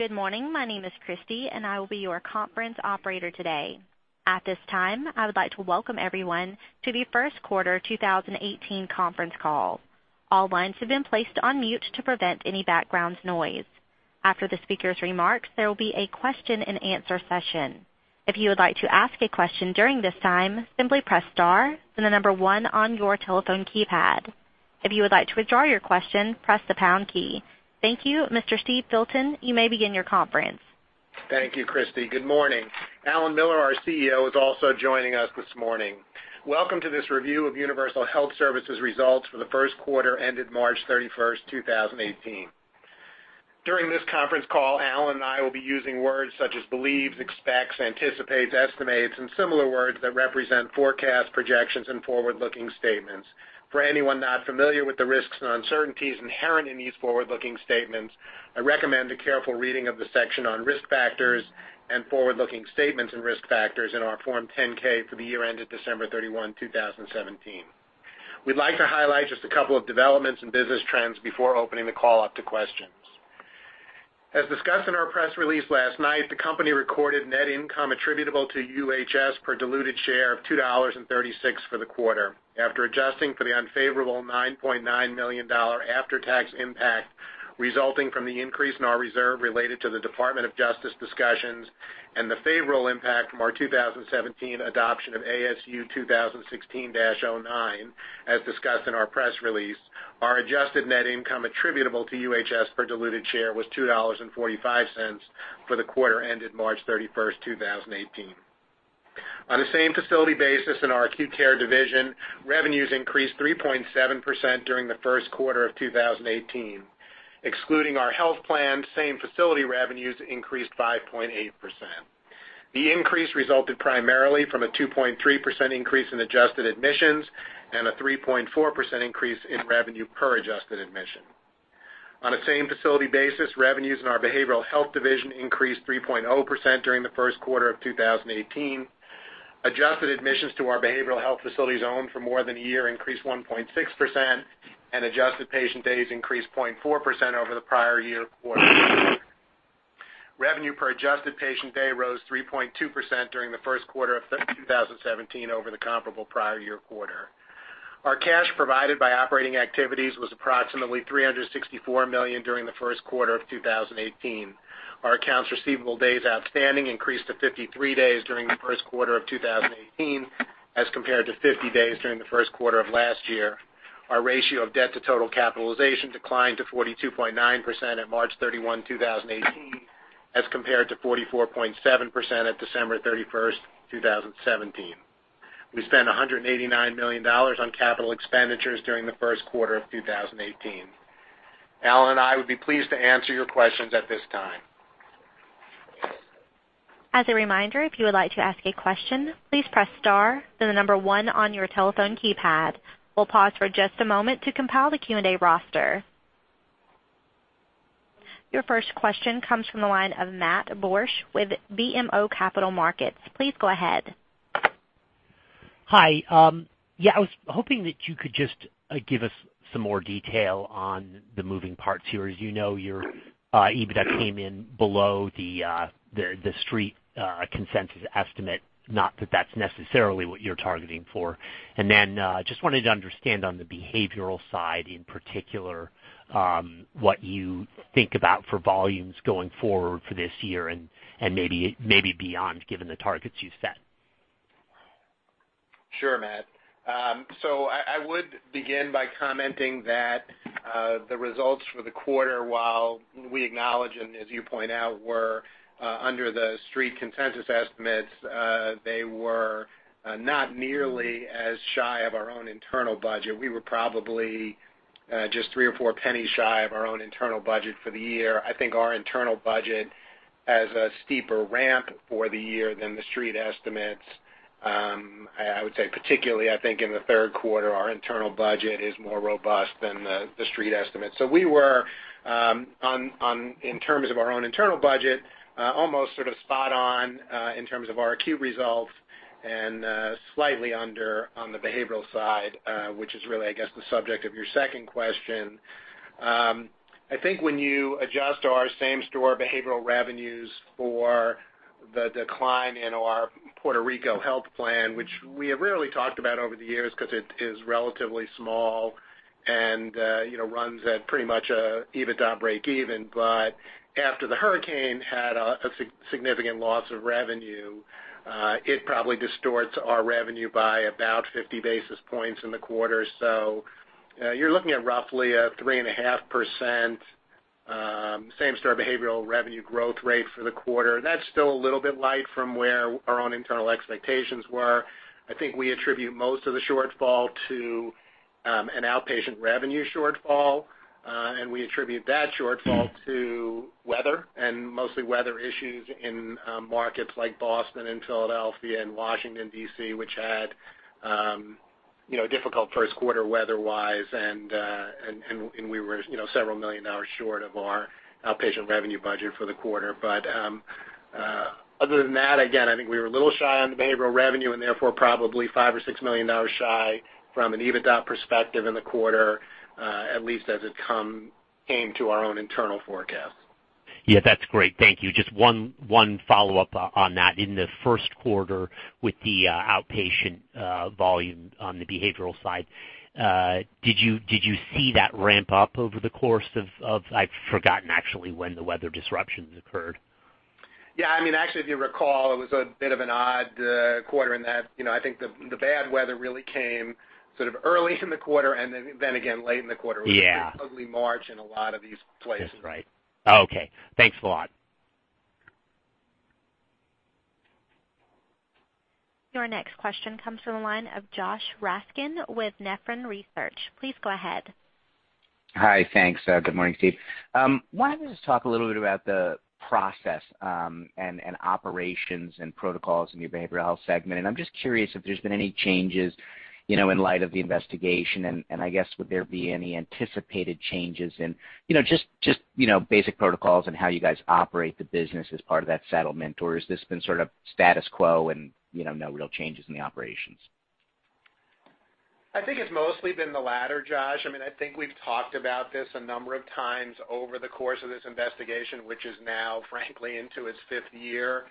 Good morning. My name is Christy, and I will be your conference operator today. At this time, I would like to welcome everyone to the first quarter 2018 conference call. All lines have been placed on mute to prevent any background noise. After the speaker's remarks, there will be a question and answer session. If you would like to ask a question during this time, simply press star, then the number one on your telephone keypad. If you would like to withdraw your question, press the pound key. Thank you. Mr. Steve Filton, you may begin your conference. Thank you, Christy. Good morning. Alan Miller, our CEO, is also joining us this morning. Welcome to this review of Universal Health Services results for the first quarter ended March 31st, 2018. During this conference call, Alan and I will be using words such as believes, expects, anticipates, estimates, and similar words that represent forecasts, projections, and forward-looking statements. For anyone not familiar with the risks and uncertainties inherent in these forward-looking statements, I recommend a careful reading of the section on risk factors and forward-looking statements and risk factors in our Form 10-K for the year ended December 31, 2017. We'd like to highlight just a couple of developments and business trends before opening the call up to questions. As discussed in our press release last night, the company recorded net income attributable to UHS per diluted share of $2.36 for the quarter. After adjusting for the unfavorable $9.9 million after-tax impact resulting from the increase in our reserve related to the Department of Justice discussions and the favorable impact from our 2017 adoption of ASU 2016-09, as discussed in our press release, our adjusted net income attributable to UHS per diluted share was $2.45 for the quarter ended March 31st, 2018. On the same facility basis in our acute care division, revenues increased 3.7% during the first quarter of 2018. Excluding our health plan, same-facility revenues increased 5.8%. The increase resulted primarily from a 2.3% increase in adjusted admissions and a 3.4% increase in revenue per adjusted admission. On a same-facility basis, revenues in our behavioral health division increased 3.0% during the first quarter of 2018. Adjusted admissions to our behavioral health facilities owned for more than a year increased 1.6%, and adjusted patient days increased 0.4% over the prior year quarter. Revenue per adjusted patient day rose 3.2% during the first quarter of 2017 over the comparable prior year quarter. Our cash provided by operating activities was approximately $364 million during the first quarter of 2018. Our accounts receivable days outstanding increased to 53 days during the first quarter of 2018 as compared to 50 days during the first quarter of last year. Our ratio of debt to total capitalization declined to 42.9% at March 31, 2018, as compared to 44.7% at December 31st, 2017. We spent $189 million on capital expenditures during the first quarter of 2018. Alan and I would be pleased to answer your questions at this time. As a reminder, if you would like to ask a question, please press star, then the number 1 on your telephone keypad. We'll pause for just a moment to compile the Q&A roster. Your first question comes from the line of Matt Borsch with BMO Capital Markets. Please go ahead. Hi. I was hoping that you could just give us some more detail on the moving parts here. As you know, your EBITDA came in below the Street consensus estimate, not that that's necessarily what you're targeting for. Then, just wanted to understand on the behavioral side, in particular, what you think about for volumes going forward for this year and maybe beyond, given the targets you've set. Sure, Matt. I would begin by commenting that the results for the quarter, while we acknowledge and as you point out, were under the Street consensus estimates, they were not nearly as shy of our own internal budget. We were probably just $0.03 or $0.04 shy of our own internal budget for the year. I think our internal budget has a steeper ramp for the year than the Street estimates. I would say particularly, I think in the third quarter, our internal budget is more robust than the Street estimates. We were, in terms of our own internal budget, almost sort of spot on in terms of our acute results and slightly under on the behavioral side, which is really, I guess, the subject of your second question. I think when you adjust our same-store behavioral revenues for the decline in our Puerto Rico health plan, which we have rarely talked about over the years because it is relatively small and runs at pretty much EBITDA break even. But after the hurricane had a significant loss of revenue, it probably distorts our revenue by about 50 basis points in the quarter. You're looking at roughly a 3.5% same-store behavioral revenue growth rate for the quarter. That's still a little bit light from where our own internal expectations were. I think we attribute most of the shortfall to an outpatient revenue shortfall, and we attribute that shortfall to weather and mostly weather issues in markets like Boston and Philadelphia and Washington, D.C., which had a difficult first quarter weather-wise, and we were several million dollars short of our outpatient revenue budget for the quarter. Other than that, again, I think we were a little shy on the behavioral revenue and therefore probably $5 million or $6 million shy from an EBITDA perspective in the quarter, at least as it came to our own internal forecast. Yeah, that's great. Thank you. Just one follow-up on that. In the first quarter with the outpatient volume on the behavioral side, did you see that ramp up over the course of, I've forgotten actually when the weather disruptions occurred. Yeah. Actually, if you recall, it was a bit of an odd quarter in that, I think the bad weather really came sort of early in the quarter and then again late in the quarter. Yeah With a pretty ugly March in a lot of these places. That's right. Okay, thanks a lot. Your next question comes from the line of Josh Raskin with Nephron Research. Please go ahead. Hi, thanks. Good morning, Steve. Why don't we just talk a little bit about the process and operations and protocols in your Behavioral Health segment. I'm just curious if there's been any changes in light of the investigation, I guess would there be any anticipated changes in just basic protocols and how you guys operate the business as part of that settlement, or has this been sort of status quo and no real changes in the operations? I think it's mostly been the latter, Josh. I think we've talked about this a number of times over the course of this investigation, which is now frankly, into its fifth year.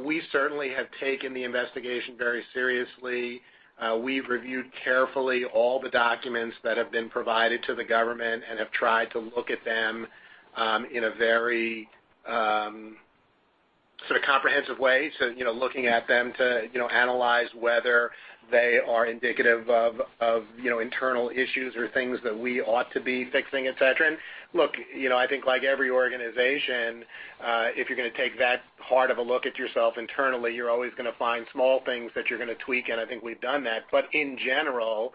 We certainly have taken the investigation very seriously. We've reviewed carefully all the documents that have been provided to the government and have tried to look at them in a very comprehensive way. Looking at them to analyze whether they are indicative of internal issues or things that we ought to be fixing, et cetera. Look, I think like every organization, if you're going to take that hard of a look at yourself internally, you're always going to find small things that you're going to tweak, and I think we've done that. In general,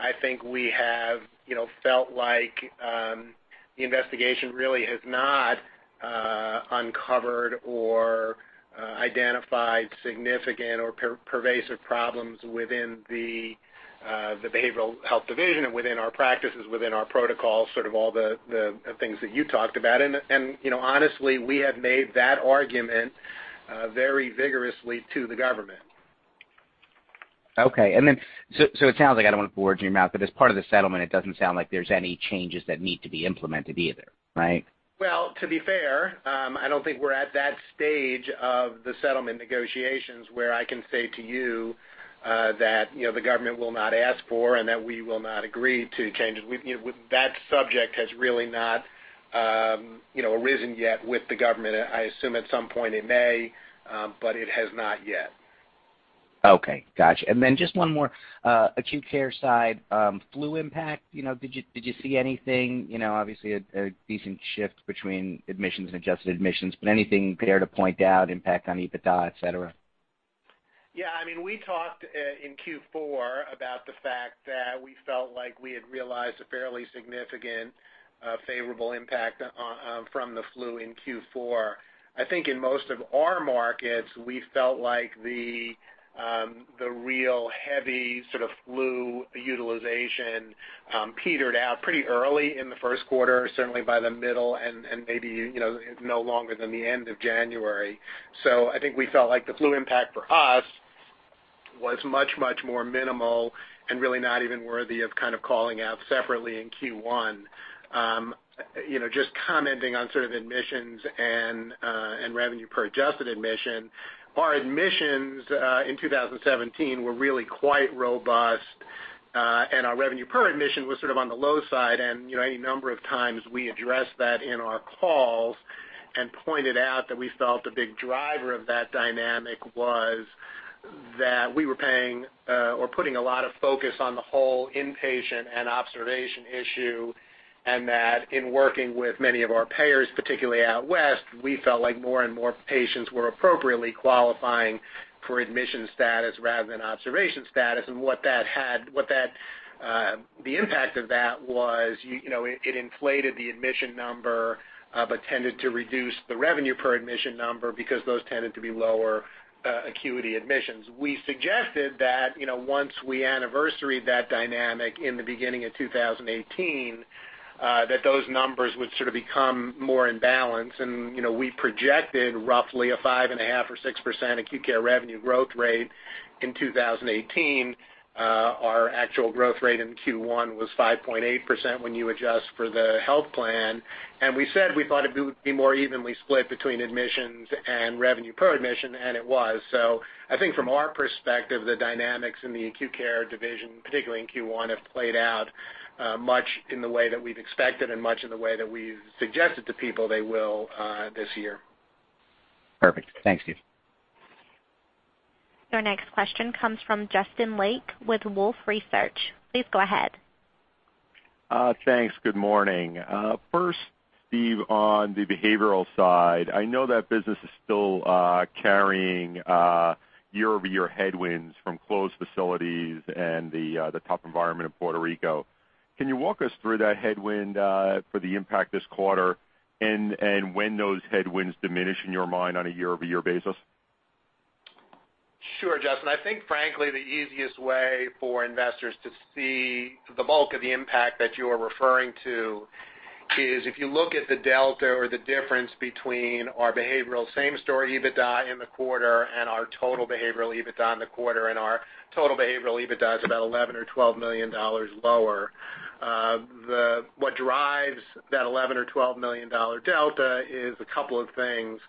I think we have felt like the investigation really has not uncovered or identified significant or pervasive problems within the behavioral health division and within our practices, within our protocols, sort of all the things that you talked about. Honestly, we have made that argument very vigorously to the government. Okay. It sounds like I don't want to put words in your mouth, as part of the settlement, it doesn't sound like there's any changes that need to be implemented either, right? Well, to be fair, I don't think we're at that stage of the settlement negotiations where I can say to you that the government will not ask for and that we will not agree to changes. That subject has really not arisen yet with the government. I assume at some point it may, it has not yet. Okay. Got you. Just one more, acute care side, flu impact, did you see anything, obviously a decent shift between admissions and adjusted admissions, anything there to point out, impact on EBITDA, et cetera? Yeah. We talked in Q4 about the fact that we felt like we had realized a fairly significant favorable impact from the flu in Q4. I think in most of our markets, we felt like the real heavy flu utilization petered out pretty early in the first quarter, certainly by the middle and maybe no longer than the end of January. I think we felt like the flu impact for us was much, much more minimal and really not even worthy of calling out separately in Q1. Just commenting on sort of admissions and revenue per adjusted admission. Our admissions, in 2017, were really quite robust, and our revenue per admission was sort of on the low side. Any number of times we addressed that in our calls and pointed out that we felt the big driver of that dynamic was that we were paying, or putting a lot of focus on the whole inpatient and observation issue, and that in working with many of our payers, particularly out West, we felt like more and more patients were appropriately qualifying for admission status rather than observation status. The impact of that was, it inflated the admission number, but tended to reduce the revenue per admission number because those tended to be lower acuity admissions. We suggested that, once we anniversaried that dynamic in the beginning of 2018, that those numbers would sort of become more in balance. We projected roughly a 5.5% or 6% acute care revenue growth rate in 2018. Our actual growth rate in Q1 was 5.8% when you adjust for the health plan. We said we thought it would be more evenly split between admissions and revenue per admission, and it was. I think from our perspective, the dynamics in the acute care division, particularly in Q1, have played out much in the way that we've expected and much in the way that we've suggested to people they will this year. Perfect. Thanks, Steve. Your next question comes from Justin Lake with Wolfe Research. Please go ahead. Thanks. Good morning. First, Steve, on the behavioral side, I know that business is still carrying year-over-year headwinds from closed facilities and the tough environment in Puerto Rico. Can you walk us through that headwind for the impact this quarter and when those headwinds diminish in your mind on a year-over-year basis? Sure, Justin. I think frankly, the easiest way for investors to see the bulk of the impact that you are referring to is if you look at the delta or the difference between our behavioral same-store EBITDA in the quarter and our total behavioral EBITDA in the quarter, and our total behavioral EBITDA is about $11 million or $12 million lower. What drives that $11 million or $12 million delta is a couple of things.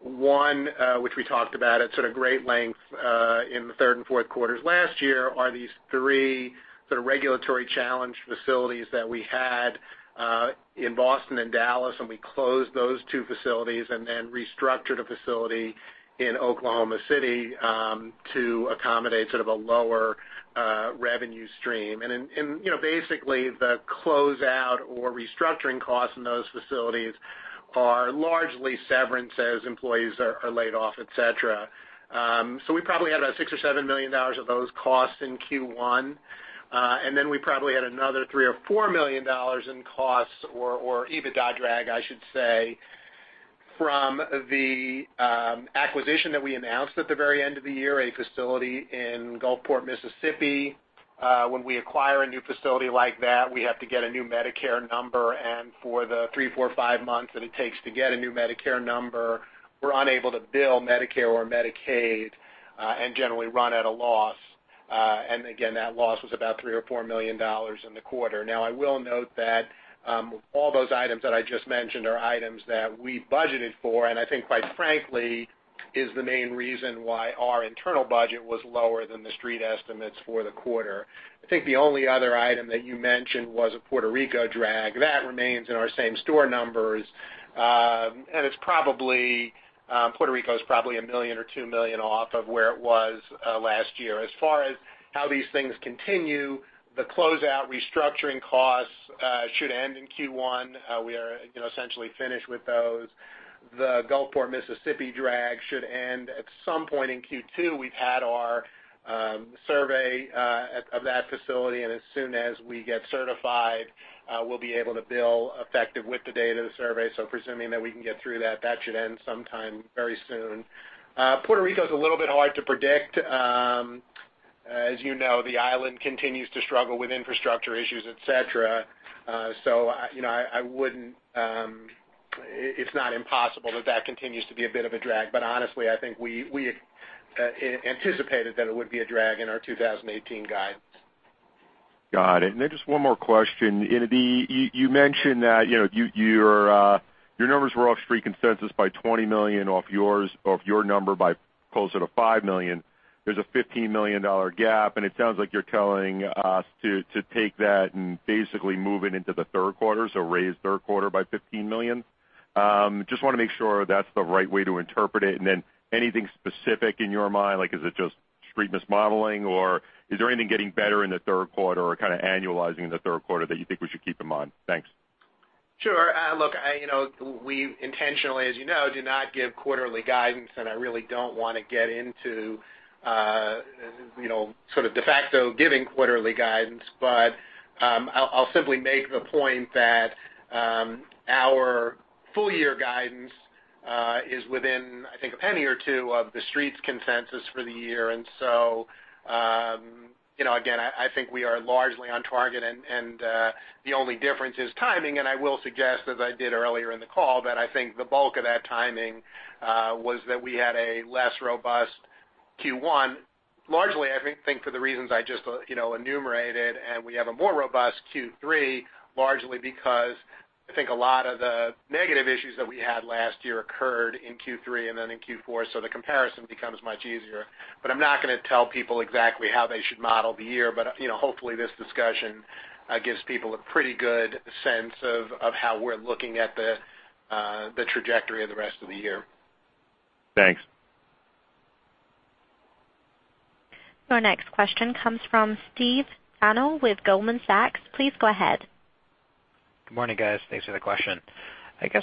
One, which we talked about at great length, in the third and fourth quarters last year are these three regulatory challenge facilities that we had, in Boston and Dallas, and we closed those two facilities and then restructured a facility in Oklahoma City to accommodate a lower revenue stream. Basically, the closeout or restructuring costs in those facilities are largely severances, employees are laid off, et cetera. We probably had about $6 million or $7 million of those costs in Q1. Then we probably had another $3 million or $4 million in costs or EBITDA drag, I should say, from the acquisition that we announced at the very end of the year, a facility in Gulfport, Mississippi. When we acquire a new facility like that, we have to get a new Medicare number, and for the three, four, five months that it takes to get a new Medicare number, we're unable to bill Medicare or Medicaid, and generally run at a loss. Again, that loss was about $3 million or $4 million in the quarter. Now, I will note that all those items that I just mentioned are items that we budgeted for, and I think quite frankly, is the main reason why our internal budget was lower than the Street estimates for the quarter. I think the only other item that you mentioned was a Puerto Rico drag. That remains in our same store numbers. Puerto Rico is probably $1 million or $2 million off of where it was last year. As far as how these things continue, the closeout restructuring costs should end in Q1. We are essentially finished with those. The Gulfport, Mississippi drag should end at some point in Q2. We've had our survey of that facility, and as soon as we get certified, we'll be able to bill effective with the date of the survey. Presuming that we can get through that should end sometime very soon. Puerto Rico is a little bit hard to predict. As you know, the island continues to struggle with infrastructure issues, et cetera. It's not impossible that that continues to be a bit of a drag. Honestly, I think we anticipated that it would be a drag in our 2018 guidance. Got it. Just one more question. You mentioned that your numbers were off Street consensus by $20 million off your number by closer to $5 million. There's a $15 million gap, and it sounds like you're telling us to take that and basically move it into the third quarter, so raise third quarter by $15 million. Just want to make sure that's the right way to interpret it. Anything specific in your mind, like is it just Street mismodeling, or is there anything getting better in the third quarter or kind of annualizing the third quarter that you think we should keep in mind? Thanks. Sure. Look, we intentionally, as you know, do not give quarterly guidance, and I really don't want to get into de facto giving quarterly guidance. I'll simply make the point that our full year guidance is within, I think $0.01 or $0.02 of the Street's consensus for the year. Again, I think we are largely on target, and the only difference is timing, and I will suggest, as I did earlier in the call, that I think the bulk of that timing was that we had a less robust Q1, largely, I think, for the reasons I just enumerated, and we have a more robust Q3, largely because I think a lot of the negative issues that we had last year occurred in Q3 and then in Q4, so the comparison becomes much easier. I'm not going to tell people exactly how they should model the year, but hopefully this discussion gives people a pretty good sense of how we're looking at the trajectory of the rest of the year. Thanks. Our next question comes from Stephen Tanal with Goldman Sachs. Please go ahead. Good morning, guys. Thanks for the question. I guess,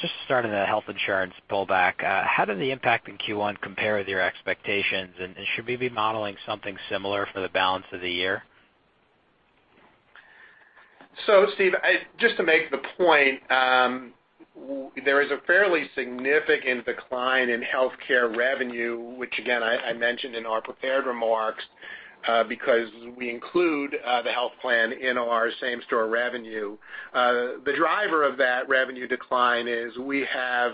just starting the health insurance pullback, how did the impact in Q1 compare with your expectations, and should we be modeling something similar for the balance of the year? Steve, just to make the point, there is a fairly significant decline in healthcare revenue, which again, I mentioned in our prepared remarks, because we include the health plan in our same-store revenue. The driver of that revenue decline is we have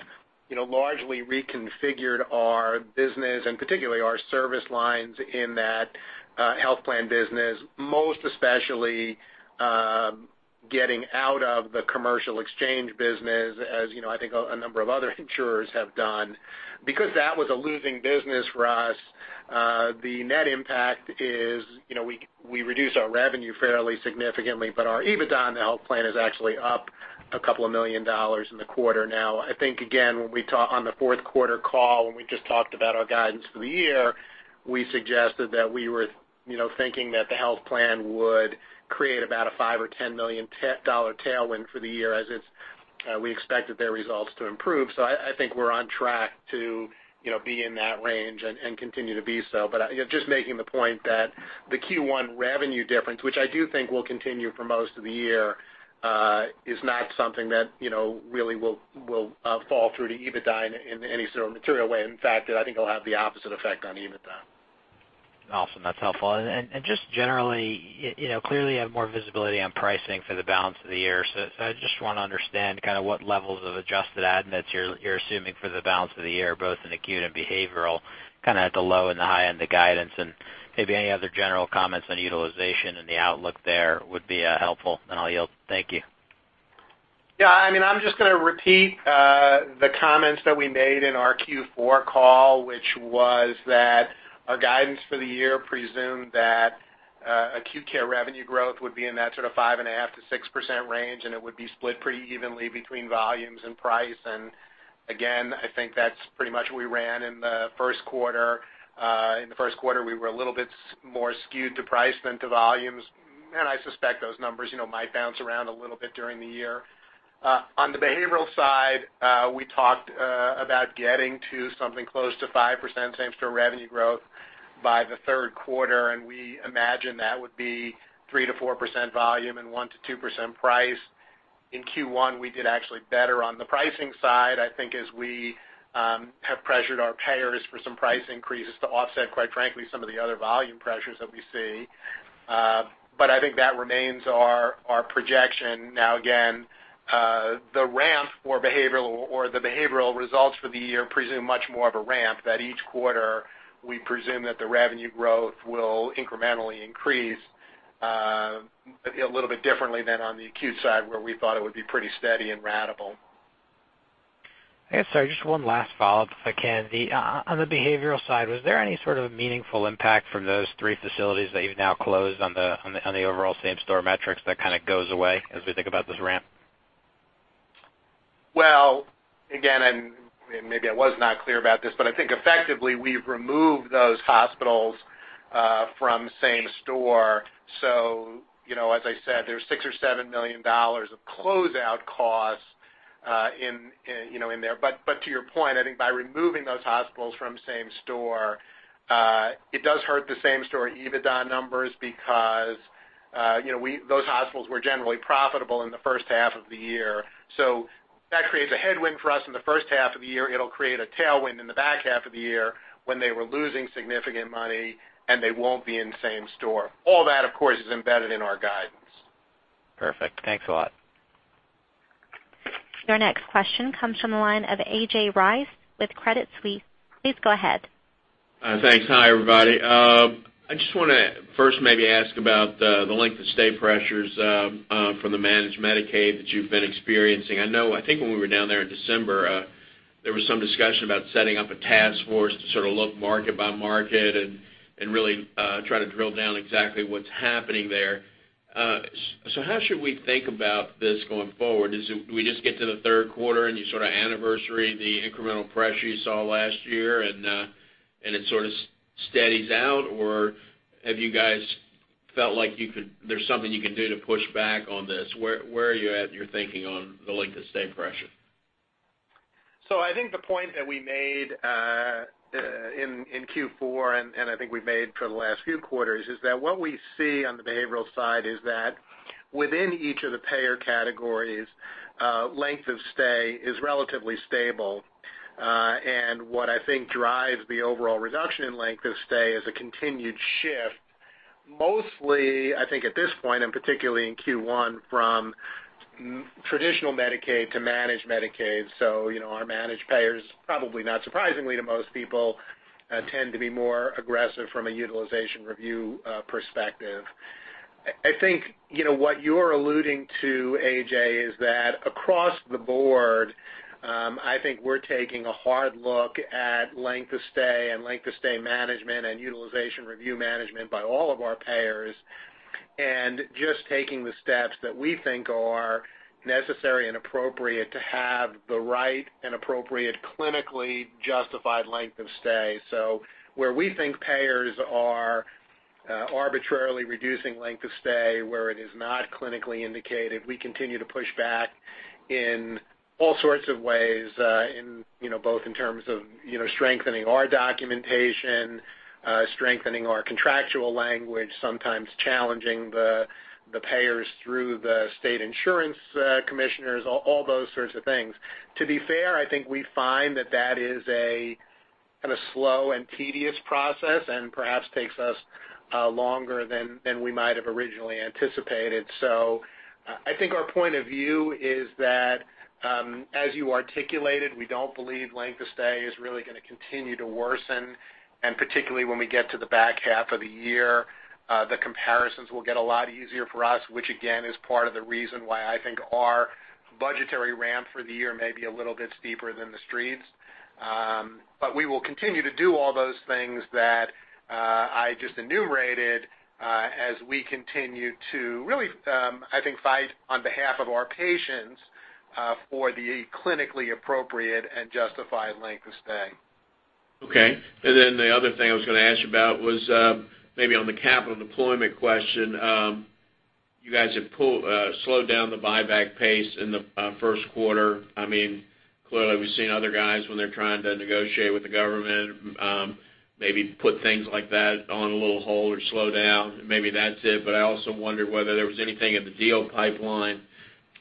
largely reconfigured our business and particularly our service lines in that health plan business, most especially, getting out of the commercial exchange business as I think a number of other insurers have done. Because that was a losing business for us, the net impact is we reduced our revenue fairly significantly, but our EBITDA in the health plan is actually up a couple of million dollars in the quarter now. I think, again, on the fourth quarter call, when we just talked about our guidance for the year, we suggested that we were thinking that the health plan would create about a $5 million or $10 million tailwind for the year as we expected their results to improve. I think we're on track to be in that range and continue to be so. Just making the point that the Q1 revenue difference, which I do think will continue for most of the year, is not something that really will fall through to EBITDA in any sort of material way. In fact, I think it'll have the opposite effect on EBITDA. Awesome. That's helpful. Just generally, clearly you have more visibility on pricing for the balance of the year. I just want to understand what levels of adjusted admits you're assuming for the balance of the year, both in acute and behavioral, at the low and the high end of guidance, and maybe any other general comments on utilization and the outlook there would be helpful. I'll yield. Thank you. I'm just going to repeat the comments that we made in our Q4 call, which was that our guidance for the year presumed that acute care revenue growth would be in that sort of 5.5%-6% range, and it would be split pretty evenly between volumes and price. Again, I think that's pretty much what we ran in the first quarter. In the first quarter, we were a little bit more skewed to price than to volumes. I suspect those numbers might bounce around a little bit during the year. On the behavioral side, we talked about getting to something close to 5% same-store revenue growth by the third quarter. We imagine that would be 3%-4% volume and 1%-2% price. In Q1, we did actually better on the pricing side, I think as we have pressured our payers for some price increases to offset, quite frankly, some of the other volume pressures that we see. I think that remains our projection. Again, the ramp for behavioral or the behavioral results for the year presume much more of a ramp that each quarter we presume that the revenue growth will incrementally increase a little bit differently than on the acute side, where we thought it would be pretty steady and ratable. Sorry, just one last follow-up if I can. On the behavioral side, was there any sort of meaningful impact from those three facilities that you've now closed on the overall same-store metrics that kind of goes away as we think about this ramp? Again, maybe I was not clear about this, I think effectively we've removed those hospitals from same-store. As I said, there's $6 million or $7 million of closeout costs in there. To your point, I think by removing those hospitals from same-store, it does hurt the same-store EBITDA numbers because those hospitals were generally profitable in the first half of the year. That creates a headwind for us in the first half of the year. It'll create a tailwind in the back half of the year when they were losing significant money, they won't be in same-store. All that, of course, is embedded in our guidance. Perfect. Thanks a lot. Your next question comes from the line of A.J. Rice with Credit Suisse. Please go ahead. Thanks. Hi, everybody. I just want to first maybe ask about the length of stay pressures from the managed Medicaid that you've been experiencing. I know, I think when we were down there in December, there was some discussion about setting up a task force to sort of look market by market and really try to drill down exactly what's happening there. How should we think about this going forward? Do we just get to the third quarter and you sort of anniversary the incremental pressure you saw last year and it sort of steadies out? Or have you guys felt like there's something you can do to push back on this? Where are you at in your thinking on the length of stay pressure? I think the point that we made in Q4, and I think we've made for the last few quarters, is that what we see on the behavioral side is that within each of the payer categories, length of stay is relatively stable. What I think drives the overall reduction in length of stay is a continued shift. Mostly, I think at this point, and particularly in Q1, from traditional Medicaid to managed Medicaid. Our managed payers, probably not surprisingly to most people, tend to be more aggressive from a utilization review perspective. I think what you're alluding to, AJ, is that across the board, I think we're taking a hard look at length of stay and length of stay management and utilization review management by all of our payers, and just taking the steps that we think are necessary and appropriate to have the right and appropriate clinically justified length of stay. Where we think payers are arbitrarily reducing length of stay, where it is not clinically indicated, we continue to push back in all sorts of ways, both in terms of strengthening our documentation, strengthening our contractual language, sometimes challenging the payers through the state insurance commissioners, all those sorts of things. To be fair, I think we find that that is a kind of slow and tedious process and perhaps takes us longer than we might have originally anticipated. I think our point of view is that, as you articulated, we don't believe length of stay is really going to continue to worsen, and particularly when we get to the back half of the year the comparisons will get a lot easier for us, which again, is part of the reason why I think our budgetary ramp for the year may be a little bit steeper than the streets. We will continue to do all those things that I just enumerated as we continue to really, I think, fight on behalf of our patients for the clinically appropriate and justified length of stay. Okay. The other thing I was going to ask you about was maybe on the capital deployment question. You guys have slowed down the buyback pace in the first quarter. Clearly, we've seen other guys when they're trying to negotiate with the government, maybe put things like that on a little hold or slow down. Maybe that's it. I also wonder whether there was anything in the deal pipeline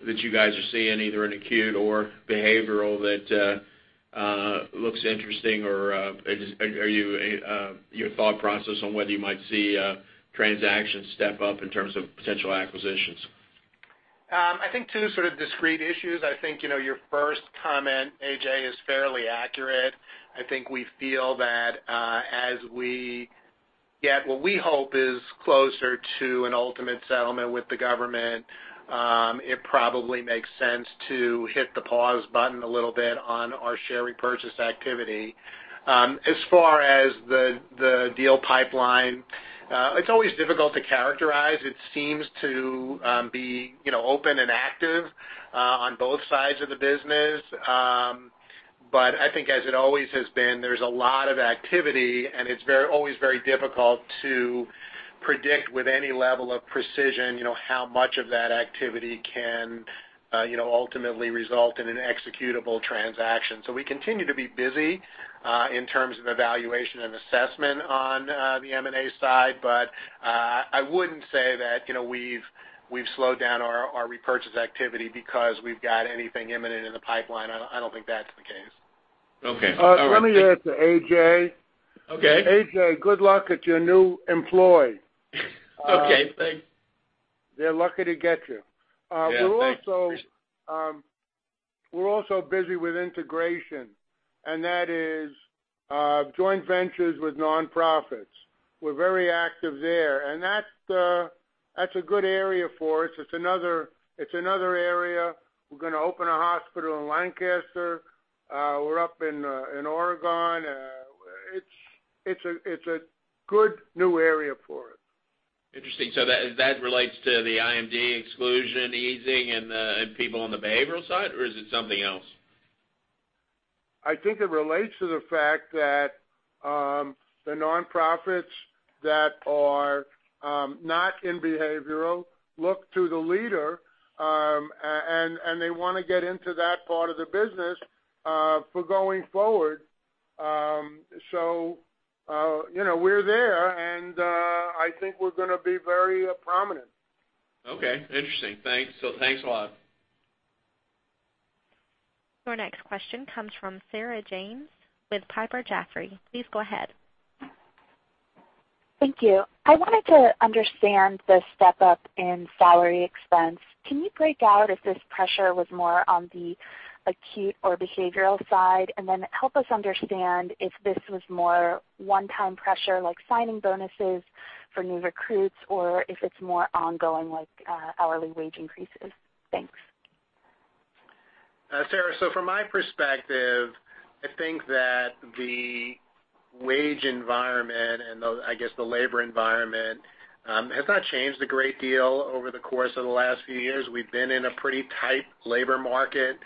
that you guys are seeing either in acute or behavioral that looks interesting, or your thought process on whether you might see a transaction step up in terms of potential acquisitions? I think two sort of discrete issues. I think, your first comment, A.J., is fairly accurate. I think we feel that as we get what we hope is closer to an ultimate settlement with the government, it probably makes sense to hit the pause button a little bit on our share repurchase activity. As far as the deal pipeline, it's always difficult to characterize. It seems to be open and active on both sides of the business. I think as it always has been, there's a lot of activity, and it's always very difficult to predict with any level of precision, how much of that activity can ultimately result in an executable transaction. We continue to be busy, in terms of evaluation and assessment on the M&A side. I wouldn't say that we've slowed down our repurchase activity because we've got anything imminent in the pipeline. I don't think that's the case. Okay. All right. Let me add to A.J. Okay. A.J., good luck at your new employ. Okay, thanks. They're lucky to get you. Yeah, thanks. We're also busy with integration. That is joint ventures with nonprofits. We're very active there, and that's a good area for us. It's another area. We're going to open a hospital in Lancaster. We're up in Oregon. It's a good new area for us. Interesting. That relates to the IMD exclusion easing and people on the behavioral side, or is it something else? I think it relates to the fact that the nonprofits that are not in behavioral look to the leader. They want to get into that part of the business for going forward. We're there, and I think we're going to be very prominent. Okay. Interesting. Thanks. Thanks a lot. Your next question comes from Sarah James with Piper Jaffray. Please go ahead. Thank you. I wanted to understand the step-up in salary expense. Can you break out if this pressure was more on the acute or behavioral side? Help us understand if this was more one-time pressure, like signing bonuses for new recruits, or if it's more ongoing, like hourly wage increases. Thanks. Sarah, from my perspective, I think that the wage environment and, I guess the labor environment, has not changed a great deal over the course of the last few years. We've been in a pretty tight labor market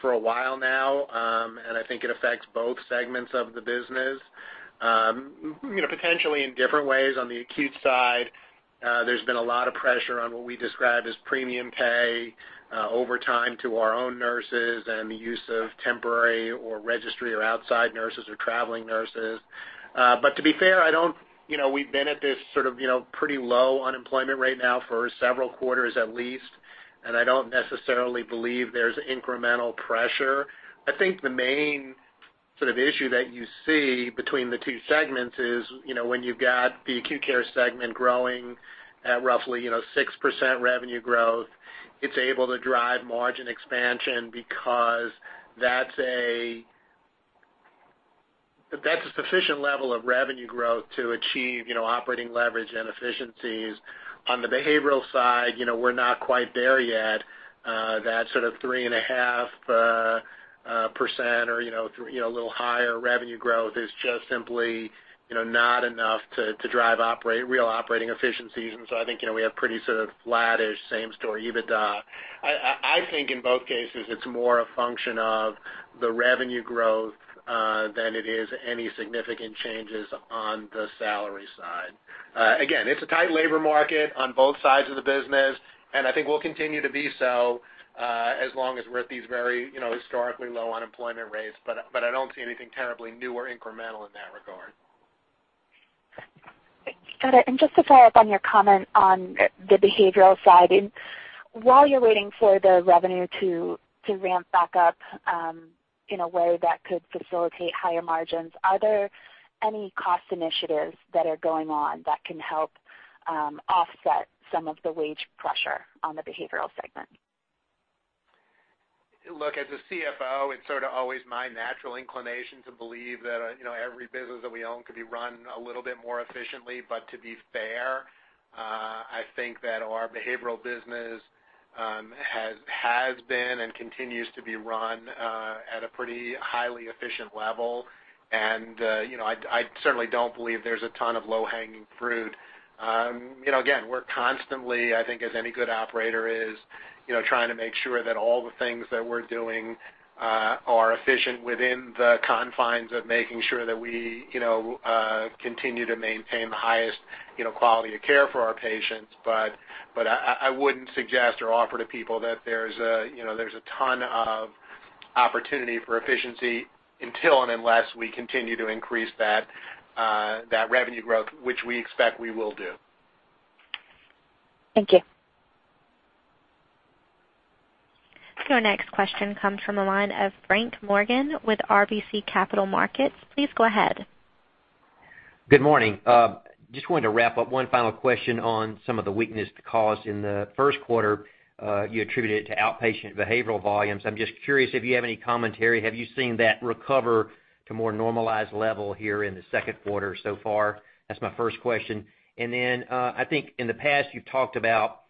for a while now, I think it affects both segments of the business. Potentially in different ways. On the acute side, there's been a lot of pressure on what we describe as premium pay, overtime to our own nurses and the use of temporary or registry or outside nurses or traveling nurses. To be fair, we've been at this sort of pretty low unemployment rate now for several quarters at least, I don't necessarily believe there's incremental pressure. I think the main sort of issue that you see between the two segments is, when you've got the acute care segment growing at roughly 6% revenue growth, it's able to drive margin expansion because that's a sufficient level of revenue growth to achieve operating leverage and efficiencies. On the behavioral side, we're not quite there yet. That sort of 3.5% or a little higher revenue growth is just simply not enough to drive real operating efficiencies. I think we have pretty sort of flattish, same-store EBITDA. I think in both cases, it's more a function of the revenue growth than it is any significant changes on the salary side. Again, it's a tight labor market on both sides of the business. I think will continue to be so as long as we're at these very historically low unemployment rates. I don't see anything terribly new or incremental in that regard. Got it. Just to follow up on your comment on the behavioral side. While you're waiting for the revenue to ramp back up in a way that could facilitate higher margins, are there any cost initiatives that are going on that can help offset some of the wage pressure on the behavioral segment? Look, as a CFO, it's sort of always my natural inclination to believe that every business that we own could be run a little bit more efficiently. To be fair, I think that our behavioral business has been and continues to be run at a pretty highly efficient level. I certainly don't believe there's a ton of low-hanging fruit. Again, we're constantly, I think as any good operator is, trying to make sure that all the things that we're doing are efficient within the confines of making sure that we continue to maintain the highest quality of care for our patients. I wouldn't suggest or offer to people that there's a ton of opportunity for efficiency until and unless we continue to increase that revenue growth, which we expect we will do. Thank you. Our next question comes from the line of Frank Morgan with RBC Capital Markets. Please go ahead. Good morning. Just wanted to wrap up one final question on some of the weakness caused in the first quarter, you attributed it to outpatient behavioral volumes. I'm just curious if you have any commentary. Have you seen that recover to more normalized level here in the second quarter so far? That's my first question. Then, I think in the past, you've talked about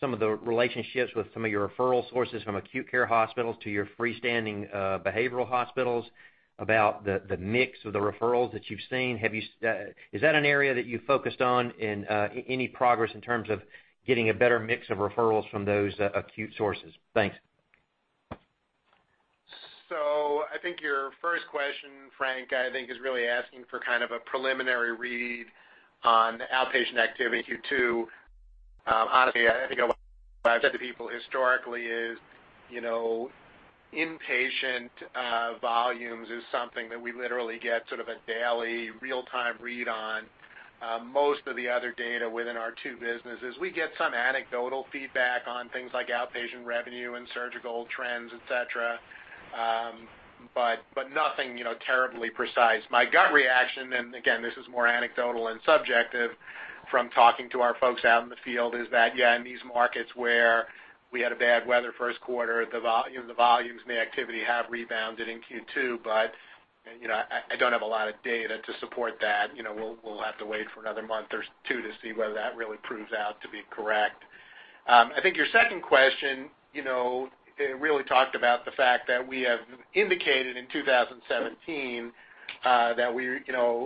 some of the relationships with some of your referral sources from acute care hospitals to your freestanding behavioral hospitals about the mix of the referrals that you've seen. Is that an area that you focused on and any progress in terms of getting a better mix of referrals from those acute sources? Thanks. I think your first question, Frank, I think is really asking for kind of a preliminary read on outpatient activity in Q2. Honestly, I think what I've said to people historically is, inpatient volumes is something that we literally get sort of a daily real-time read on. Most of the other data within our two businesses, we get some anecdotal feedback on things like outpatient revenue and surgical trends, et cetera, but nothing terribly precise. My gut reaction, and again, this is more anecdotal and subjective from talking to our folks out in the field, is that, yeah, in these markets where we had a bad weather first quarter, the volumes and the activity have rebounded in Q2, but I don't have a lot of data to support that. We'll have to wait for another month or two to see whether that really proves out to be correct. I think your second question really talked about the fact that we have indicated in 2017 that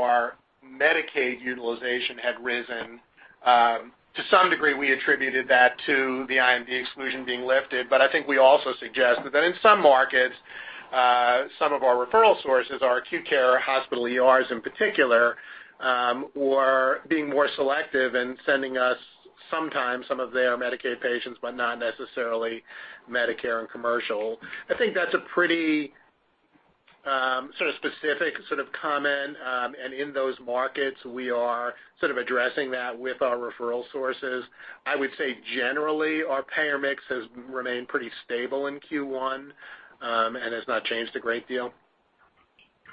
our Medicaid utilization had risen. To some degree, we attributed that to the IMD exclusion being lifted. I think we also suggested that in some markets, some of our referral sources, our acute care hospital ERs in particular, were being more selective in sending us sometimes some of their Medicaid patients, but not necessarily Medicare and commercial. I think that's a pretty specific sort of comment, and in those markets, we are sort of addressing that with our referral sources. I would say generally, our payer mix has remained pretty stable in Q1 and has not changed a great deal.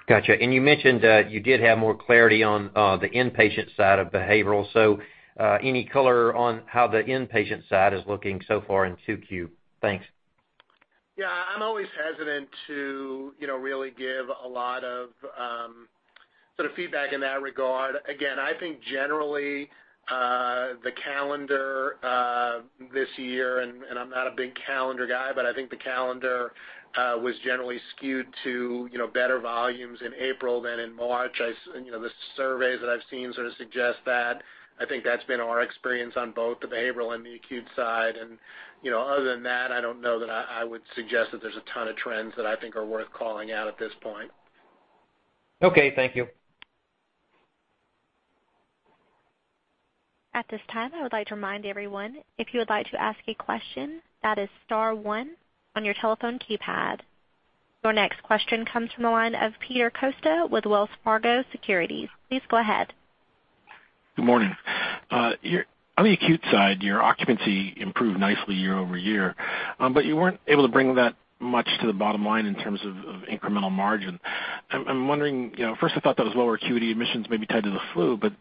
Got you. You mentioned that you did have more clarity on the inpatient side of behavioral. Any color on how the inpatient side is looking so far in 2Q? Thanks. Yeah. I'm always hesitant to really give a lot of feedback in that regard. Again, I think generally, the calendar this year, and I'm not a big calendar guy, I think the calendar was generally skewed to better volumes in April than in March. The surveys that I've seen sort of suggest that. I think that's been our experience on both the behavioral and the acute side. Other than that, I don't know that I would suggest that there's a ton of trends that I think are worth calling out at this point. Okay. Thank you. At this time, I would like to remind everyone, if you would like to ask a question, that is star one on your telephone keypad. Your next question comes from the line of Peter Costa with Wells Fargo Securities. Please go ahead. Good morning. On the acute side, your occupancy improved nicely year-over-year. You weren't able to bring that much to the bottom line in terms of incremental margin. I'm wondering, first I thought those lower acuity admissions may be tied to the flu, but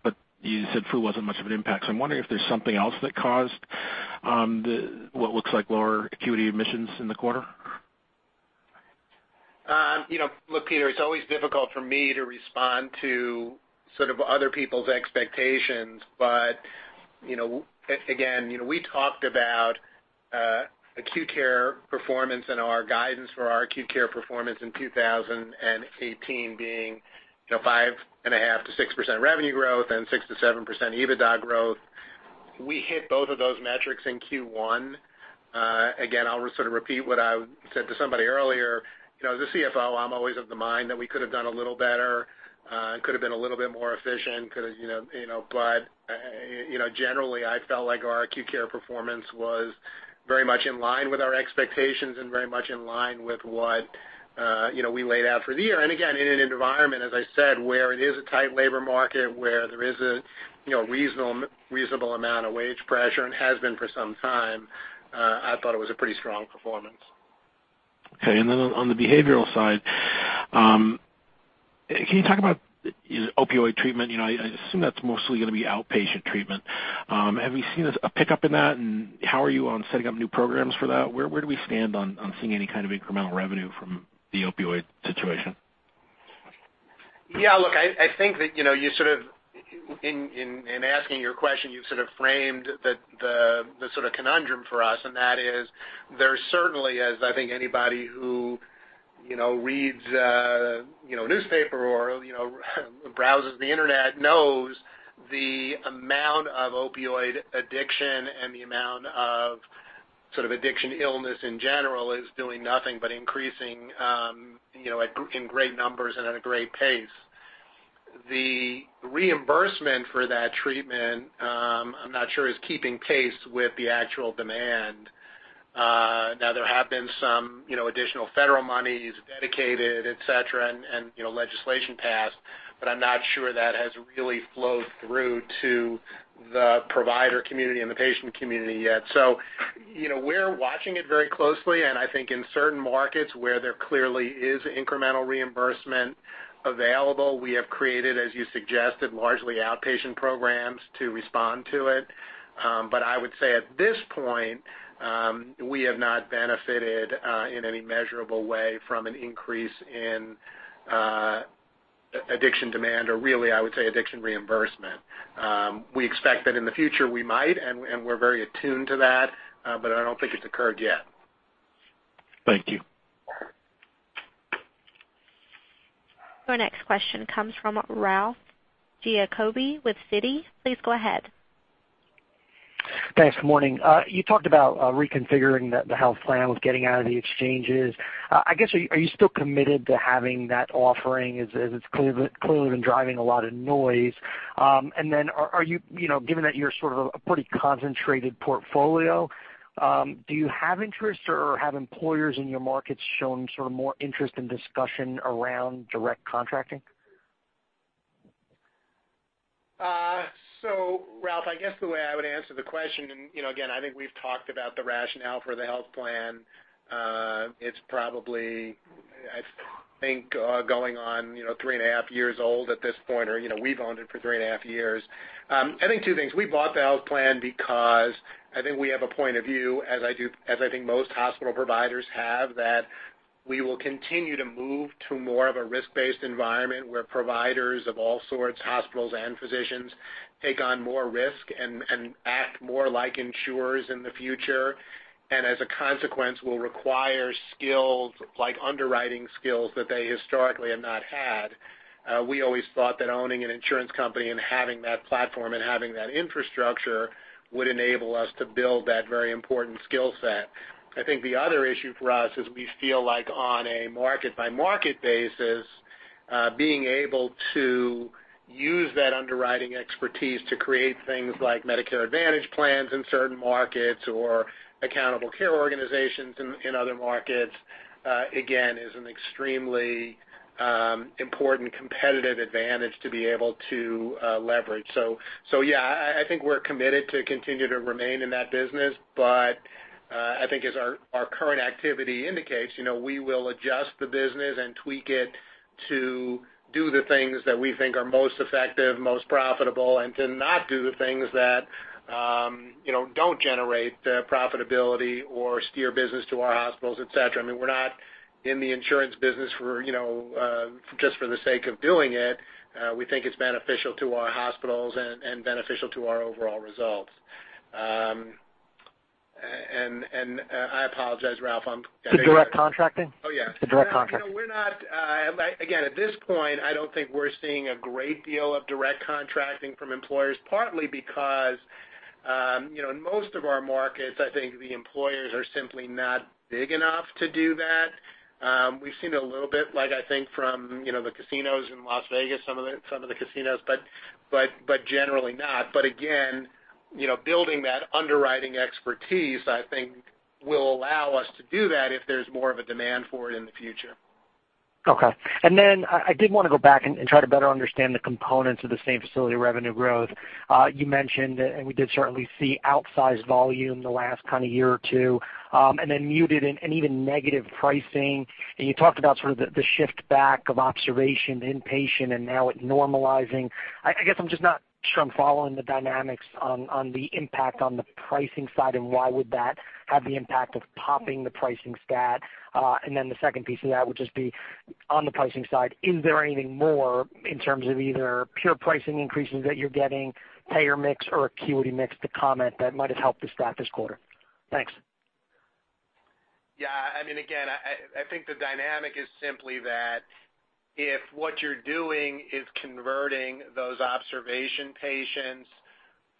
you said flu wasn't much of an impact. I'm wondering if there's something else that caused what looks like lower acuity admissions in the quarter. Look, Peter, it's always difficult for me to respond to sort of other people's expectations. Again, we talked about acute care performance and our guidance for our acute care performance in 2018 being 5.5%-6% revenue growth and 6%-7% EBITDA growth. We hit both of those metrics in Q1. Again, I'll sort of repeat what I said to somebody earlier. As a CFO, I'm always of the mind that we could have done a little better, and could have been a little bit more efficient. Generally, I felt like our acute care performance was very much in line with our expectations and very much in line with what we laid out for the year. Again, in an environment, as I said, where it is a tight labor market, where there is a reasonable amount of wage pressure and has been for some time, I thought it was a pretty strong performance. Okay, then on the behavioral side, can you talk about opioid treatment? I assume that's mostly going to be outpatient treatment. Have you seen a pickup in that, and how are you on setting up new programs for that? Where do we stand on seeing any kind of incremental revenue from the opioid situation? Look, I think that in asking your question, you've sort of framed the conundrum for us, that is, there certainly, as I think anybody who reads a newspaper or browses the internet knows, the amount of opioid addiction and the amount of addiction illness in general is doing nothing but increasing in great numbers and at a great pace. The reimbursement for that treatment, I'm not sure is keeping pace with the actual demand. Now, there have been some additional federal monies dedicated, et cetera, legislation passed, I'm not sure that has really flowed through to the provider community and the patient community yet. We're watching it very closely, I think in certain markets where there clearly is incremental reimbursement available, we have created, as you suggested, largely outpatient programs to respond to it. I would say at this point, we have not benefited in any measurable way from an increase in addiction demand or really, I would say, addiction reimbursement. We expect that in the future we might, we're very attuned to that, I don't think it's occurred yet. Thank you. Our next question comes from Ralph Giacobbe with Citi. Please go ahead. Thanks. Good morning. You talked about reconfiguring the health plan with getting out of the exchanges. I guess, are you still committed to having that offering, as it's clearly been driving a lot of noise? Given that you're sort of a pretty concentrated portfolio, do you have interest or have employers in your markets shown sort of more interest in discussion around direct contracting? Ralph, I guess the way I would answer the question. Again, I think we've talked about the rationale for the health plan. It's probably, I think, going on three and a half years old at this point, or we've owned it for three and a half years. I think two things. We bought the health plan because I think we have a point of view, as I think most hospital providers have, that we will continue to move to more of a risk-based environment where providers of all sorts, hospitals and physicians, take on more risk and act more like insurers in the future. As a consequence, will require skills like underwriting skills that they historically have not had. We always thought that owning an insurance company and having that platform and having that infrastructure would enable us to build that very important skill set. I think the other issue for us is we feel like on a market-by-market basis, being able to use that underwriting expertise to create things like Medicare Advantage plans in certain markets or accountable care organizations in other markets, again, is an extremely important competitive advantage to be able to leverage. Yeah, I think we're committed to continue to remain in that business. I think as our current activity indicates, we will adjust the business and tweak it to do the things that we think are most effective, most profitable, and to not do the things that don't generate profitability or steer business to our hospitals, et cetera. I mean, we're not in the insurance business just for the sake of doing it. We think it's beneficial to our hospitals and beneficial to our overall results. I apologize, Ralph. The direct contracting? Oh, yeah. The direct contracting. Again, at this point, I don't think we're seeing a great deal of direct contracting from employers, partly because, in most of our markets, I think the employers are simply not big enough to do that. We've seen a little bit, I think from the casinos in Las Vegas, some of the casinos, but generally not. Again, building that underwriting expertise, I think will allow us to do that if there's more of a demand for it in the future. Okay. I did want to go back and try to better understand the components of the same-facility revenue growth. You mentioned, and we did certainly see outsized volume the last year or two, and then muted and even negative pricing. You talked about sort of the shift back of observation, inpatient, and now it normalizing. I guess I'm just not sure I'm following the dynamics on the impact on the pricing side and why would that have the impact of popping the pricing stat. The second piece of that would just be on the pricing side, is there anything more in terms of either pure pricing increases that you're getting, payer mix, or acuity mix to comment that might have helped the stat this quarter? Thanks. Yeah. Again, I think the dynamic is simply that if what you're doing is converting those observation patients,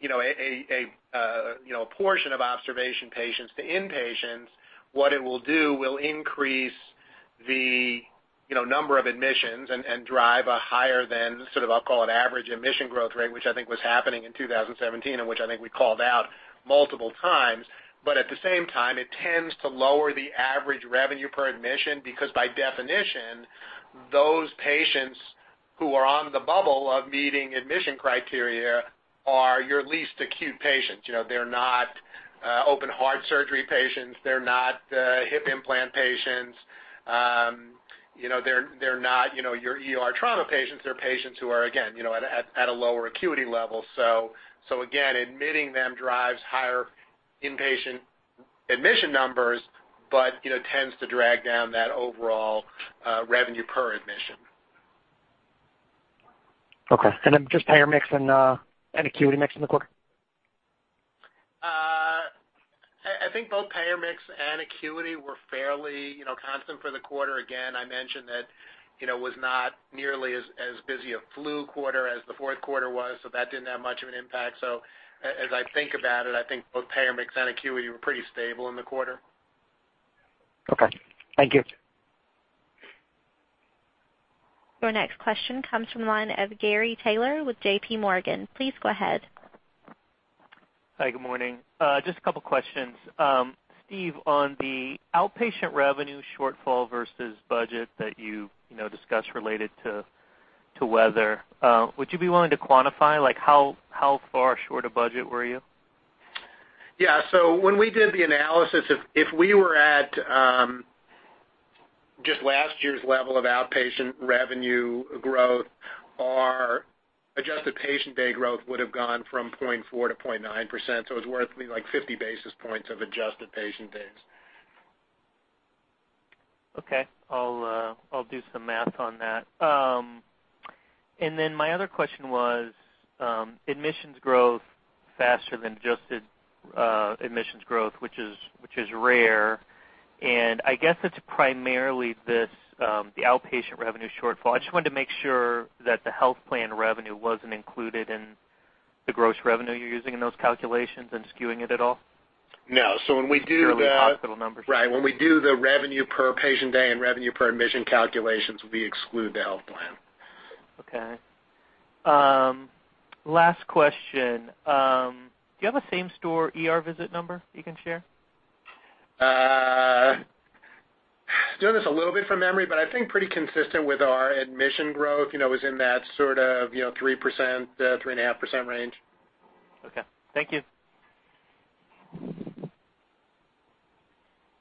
a portion of observation patients to inpatients, what it will do will increase the number of admissions and drive a higher than, sort of, I'll call it average admission growth rate, which I think was happening in 2017 and which I think we called out multiple times. At the same time, it tends to lower the average revenue per admission, because by definition, those patients who are on the bubble of meeting admission criteria are your least acute patients. They're not open heart surgery patients. They're not hip implant patients. They're not your ER trauma patients. They're patients who are, again, at a lower acuity level. Again, admitting them drives higher inpatient admission numbers, but tends to drag down that overall revenue per admission. Okay. Just payer mix and acuity mix in the quarter? I think both payer mix and acuity were fairly constant for the quarter. Again, I mentioned that was not nearly as busy a flu quarter as the fourth quarter was, so that didn't have much of an impact. As I think about it, I think both payer mix and acuity were pretty stable in the quarter. Okay. Thank you. Your next question comes from the line of Gary Taylor with J.P. Morgan. Please go ahead. Hi, good morning. Just a couple of questions. Steve, on the outpatient revenue shortfall versus budget that you discussed related to weather, would you be willing to quantify how far short of budget were you? Yeah. When we did the analysis, if we were at just last year's level of outpatient revenue growth, our adjusted patient day growth would have gone from 0.4% to 0.9%. It's worth, like, 50 basis points of adjusted patient days. Okay. I'll do some math on that. My other question was, admissions growth faster than adjusted admissions growth, which is rare, and I guess it's primarily the outpatient revenue shortfall. I just wanted to make sure that the health plan revenue wasn't included in the gross revenue you're using in those calculations and skewing it at all. No. Purely hospital numbers. Right. When we do the revenue per patient day and revenue per admission calculations, we exclude the health plan. Okay. Last question. Do you have a same-store ER visit number you can share? Doing this a little bit from memory, I think pretty consistent with our admission growth, was in that sort of 3%, 3.5% range. Okay. Thank you.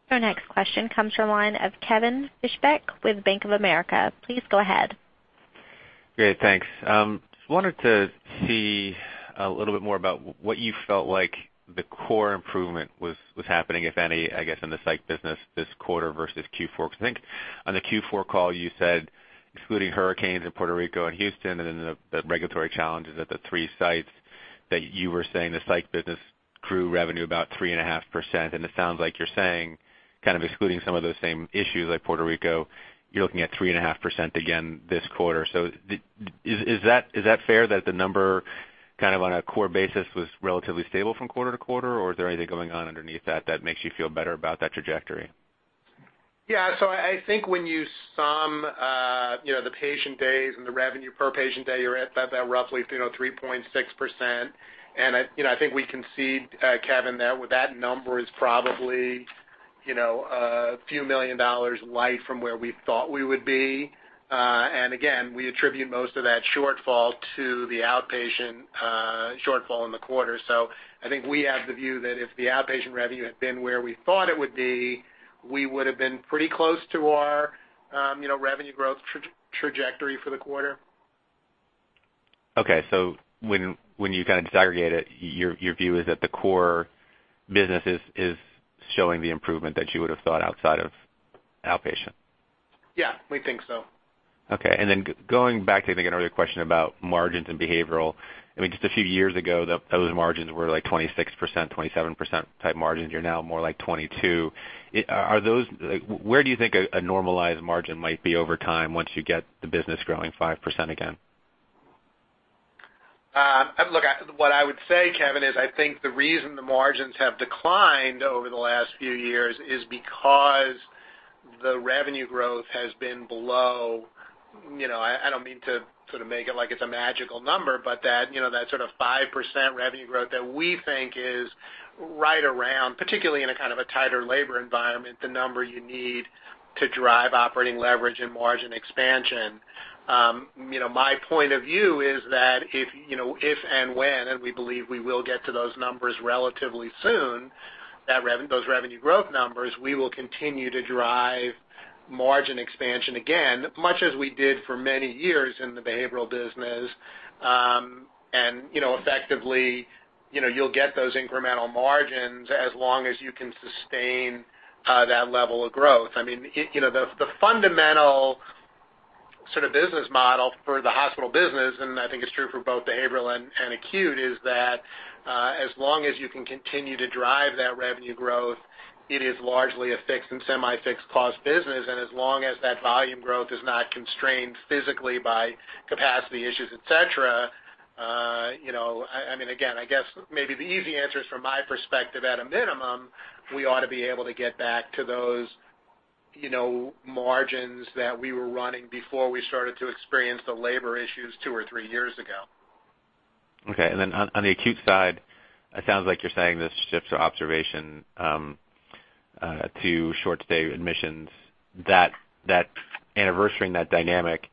Our next question comes from line of Kevin Fischbeck with Bank of America. Please go ahead. Great. Thanks. Just wanted to see a little bit more about what you felt like the core improvement was happening, if any, I guess, in the psych business this quarter versus Q4. I think on the Q4 call, you said excluding hurricanes in Puerto Rico and Houston, and then the regulatory challenges at the three sites that you were saying the psych business grew revenue about 3.5%. It sounds like you're saying, kind of excluding some of those same issues like Puerto Rico, you're looking at 3.5% again this quarter. Is that fair that the number on a core basis was relatively stable from quarter to quarter, or is there anything going on underneath that that makes you feel better about that trajectory? Yeah. I think when you sum the patient days and the revenue per patient day, you're at that roughly 3.6%. I think we concede, Kevin, that number is probably a few million dollars light from where we thought we would be. Again, we attribute most of that shortfall to the outpatient shortfall in the quarter. I think we have the view that if the outpatient revenue had been where we thought it would be, we would have been pretty close to our revenue growth trajectory for the quarter. Okay. When you disaggregate it, your view is that the core business is showing the improvement that you would have thought outside of outpatient. Yeah, we think so. Okay. Then going back to, I think, an earlier question about margins and behavioral. I mean, just a few years ago, those margins were like 26%, 27% type margins. You're now more like 22%. Where do you think a normalized margin might be over time once you get the business growing 5% again? Look, what I would say, Kevin, is I think the reason the margins have declined over the last few years is because the revenue growth has been below, I don't mean to sort of make it like it's a magical number, but that sort of 5% revenue growth that we think is right around, particularly in a kind of a tighter labor environment, the number you need to drive operating leverage and margin expansion. My point of view is that if and when, and we believe we will get to those numbers relatively soon, those revenue growth numbers, we will continue to drive margin expansion again, much as we did for many years in the behavioral business. Effectively, you'll get those incremental margins as long as you can sustain that level of growth. I mean, the fundamental business model for the hospital business, and I think it's true for both behavioral and acute, is that as long as you can continue to drive that revenue growth, it is largely a fixed and semi-fixed cost business. As long as that volume growth is not constrained physically by capacity issues, et cetera, I mean again, I guess maybe the easy answer is from my perspective, at a minimum, we ought to be able to get back to those margins that we were running before we started to experience the labor issues two or three years ago. Okay. Then on the acute side, it sounds like you're saying this shift to observation to short-stay admissions, that anniversarying that dynamic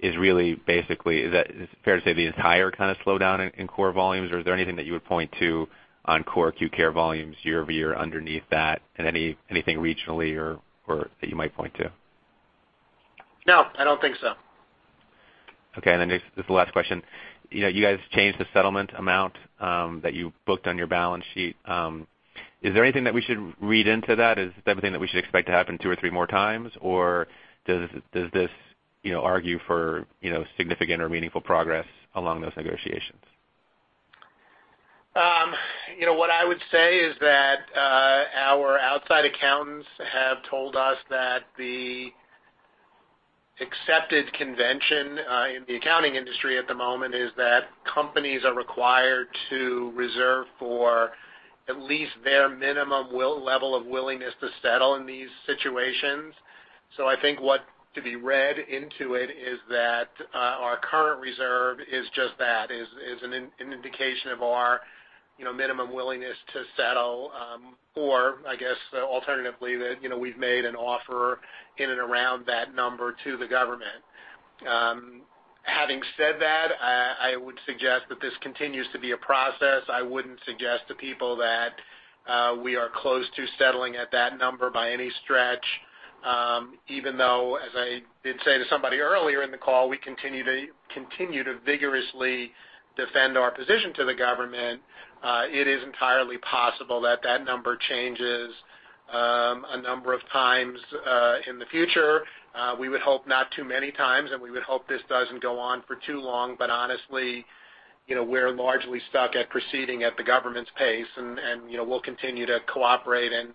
is really basically, is it fair to say the entire kind of slowdown in core volumes, or is there anything that you would point to on core acute care volumes year-over-year underneath that and anything regionally or that you might point to? No, I don't think so. Okay. This is the last question. You guys changed the settlement amount that you booked on your balance sheet. Is there anything that we should read into that? Is it something that we should expect to happen two or three more times, or does this argue for significant or meaningful progress along those negotiations? What I would say is that our outside accountants have told us that the accepted convention in the accounting industry at the moment is that companies are required to reserve for at least their minimum level of willingness to settle in these situations. I think what could be read into it is that our current reserve is just that, is an indication of our minimum willingness to settle. I guess alternatively, that we've made an offer in and around that number to the government. Having said that, I would suggest that this continues to be a process. I wouldn't suggest to people that we are close to settling at that number by any stretch. Even though, as I did say to somebody earlier in the call, we continue to vigorously defend our position to the government, it is entirely possible that that number changes a number of times in the future. We would hope not too many times, and we would hope this doesn't go on for too long, honestly, we're largely stuck at proceeding at the government's pace, and we'll continue to cooperate and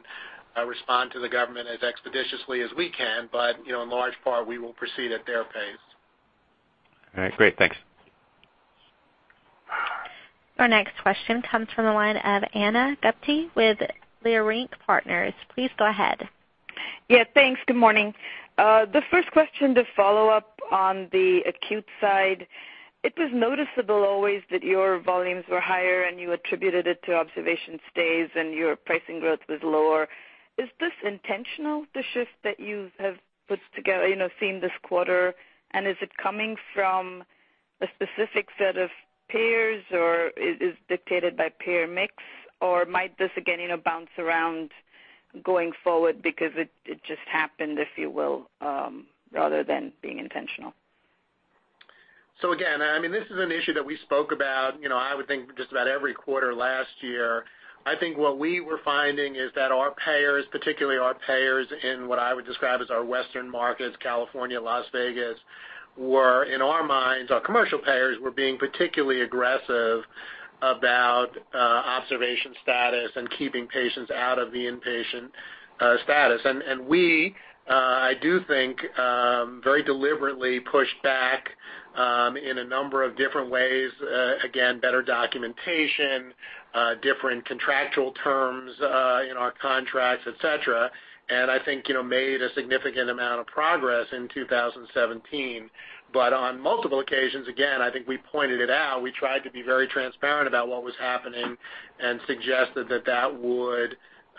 respond to the government as expeditiously as we can. In large part, we will proceed at their pace. All right. Great. Thanks. Our next question comes from the line of Ana Gupte with Leerink Partners. Please go ahead. Yeah, thanks. Good morning. The first question to follow up on the acute side. It was noticeable always that your volumes were higher, and you attributed it to observation stays and your pricing growth was lower. Is this intentional, the shift that you have seen this quarter, and is it coming from a specific set of payers, or is dictated by payer mix? Might this again bounce around going forward because it just happened, if you will, rather than being intentional? Again, this is an issue that we spoke about, I would think, just about every quarter last year. I think what we were finding is that our payers, particularly our payers in what I would describe as our Western markets, California, Las Vegas, were in our minds, our commercial payers were being particularly aggressive about observation status and keeping patients out of the inpatient status. We, I do think, very deliberately pushed back in a number of different ways. Again, better documentation, different contractual terms in our contracts, et cetera. I think made a significant amount of progress in 2017. On multiple occasions, again, I think we pointed it out, we tried to be very transparent about what was happening and suggested that was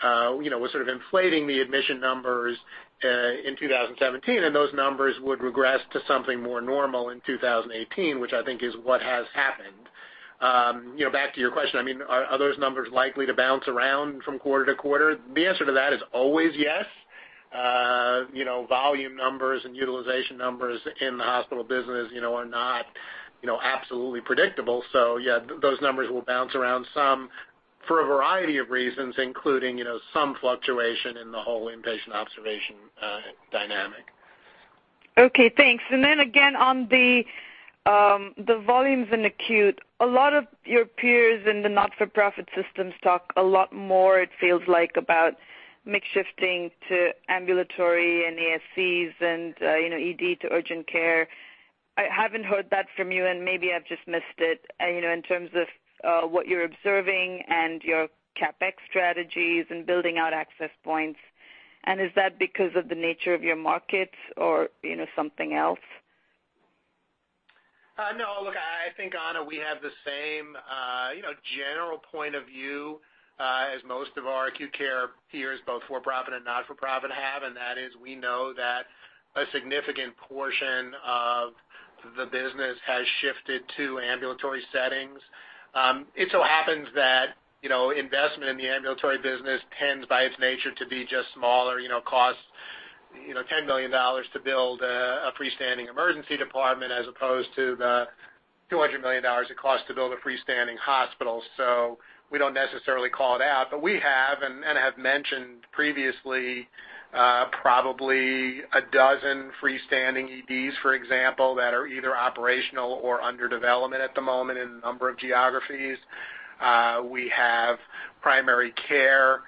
sort of inflating the admission numbers in 2017, and those numbers would regress to something more normal in 2018, which I think is what has happened. Back to your question, are those numbers likely to bounce around from quarter to quarter? The answer to that is always yes. Volume numbers and utilization numbers in the hospital business are not absolutely predictable. Yeah, those numbers will bounce around some for a variety of reasons, including some fluctuation in the whole inpatient observation dynamic. Okay, thanks. Again, on the volumes in acute, a lot of your peers in the not-for-profit systems talk a lot more, it feels like, about mix shifting to ambulatory and ASCs and ED to urgent care. I haven't heard that from you, and maybe I've just missed it, in terms of what you're observing and your CapEx strategies and building out access points. Is that because of the nature of your markets or something else? No, look, I think, Ana, we have the same general point of view as most of our acute care peers, both for-profit and not-for-profit have, and that is, we know that a significant portion of the business has shifted to ambulatory settings. It so happens that investment in the ambulatory business tends, by its nature, to be just smaller, costs $10 million to build a freestanding emergency department as opposed to the $200 million it costs to build a freestanding hospital. We don't necessarily call it out, but we have, and have mentioned previously, probably a dozen freestanding EDs, for example, that are either operational or under development at the moment in a number of geographies. We have primary care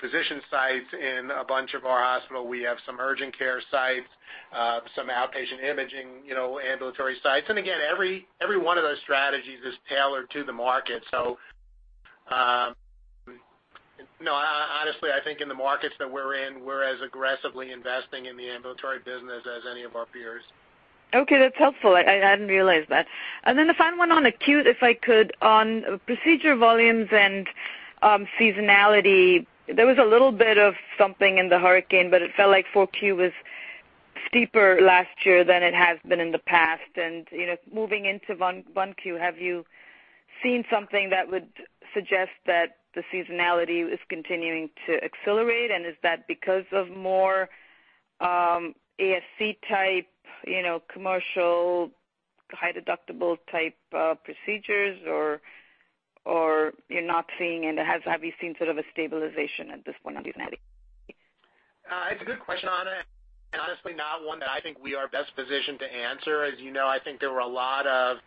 physician sites in a bunch of our hospital. We have some urgent care sites, some outpatient imaging, ambulatory sites. Again, every one of those strategies is tailored to the market. Honestly, I think in the markets that we're in, we're as aggressively investing in the ambulatory business as any of our peers. Okay, that's helpful. I hadn't realized that. The final one on acute, if I could, on procedure volumes and seasonality. There was a little bit of something in the hurricane, but it felt like 4Q was steeper last year than it has been in the past. Moving into 1Q, have you seen something that would suggest that the seasonality is continuing to accelerate, and is that because of more ASC-type commercial, high-deductible type procedures, or you're not seeing, and have you seen sort of a stabilization at this point on seasonality? It's a good question, Ana, and honestly not one that I think we are best positioned to answer. As you know, I think there were a lot of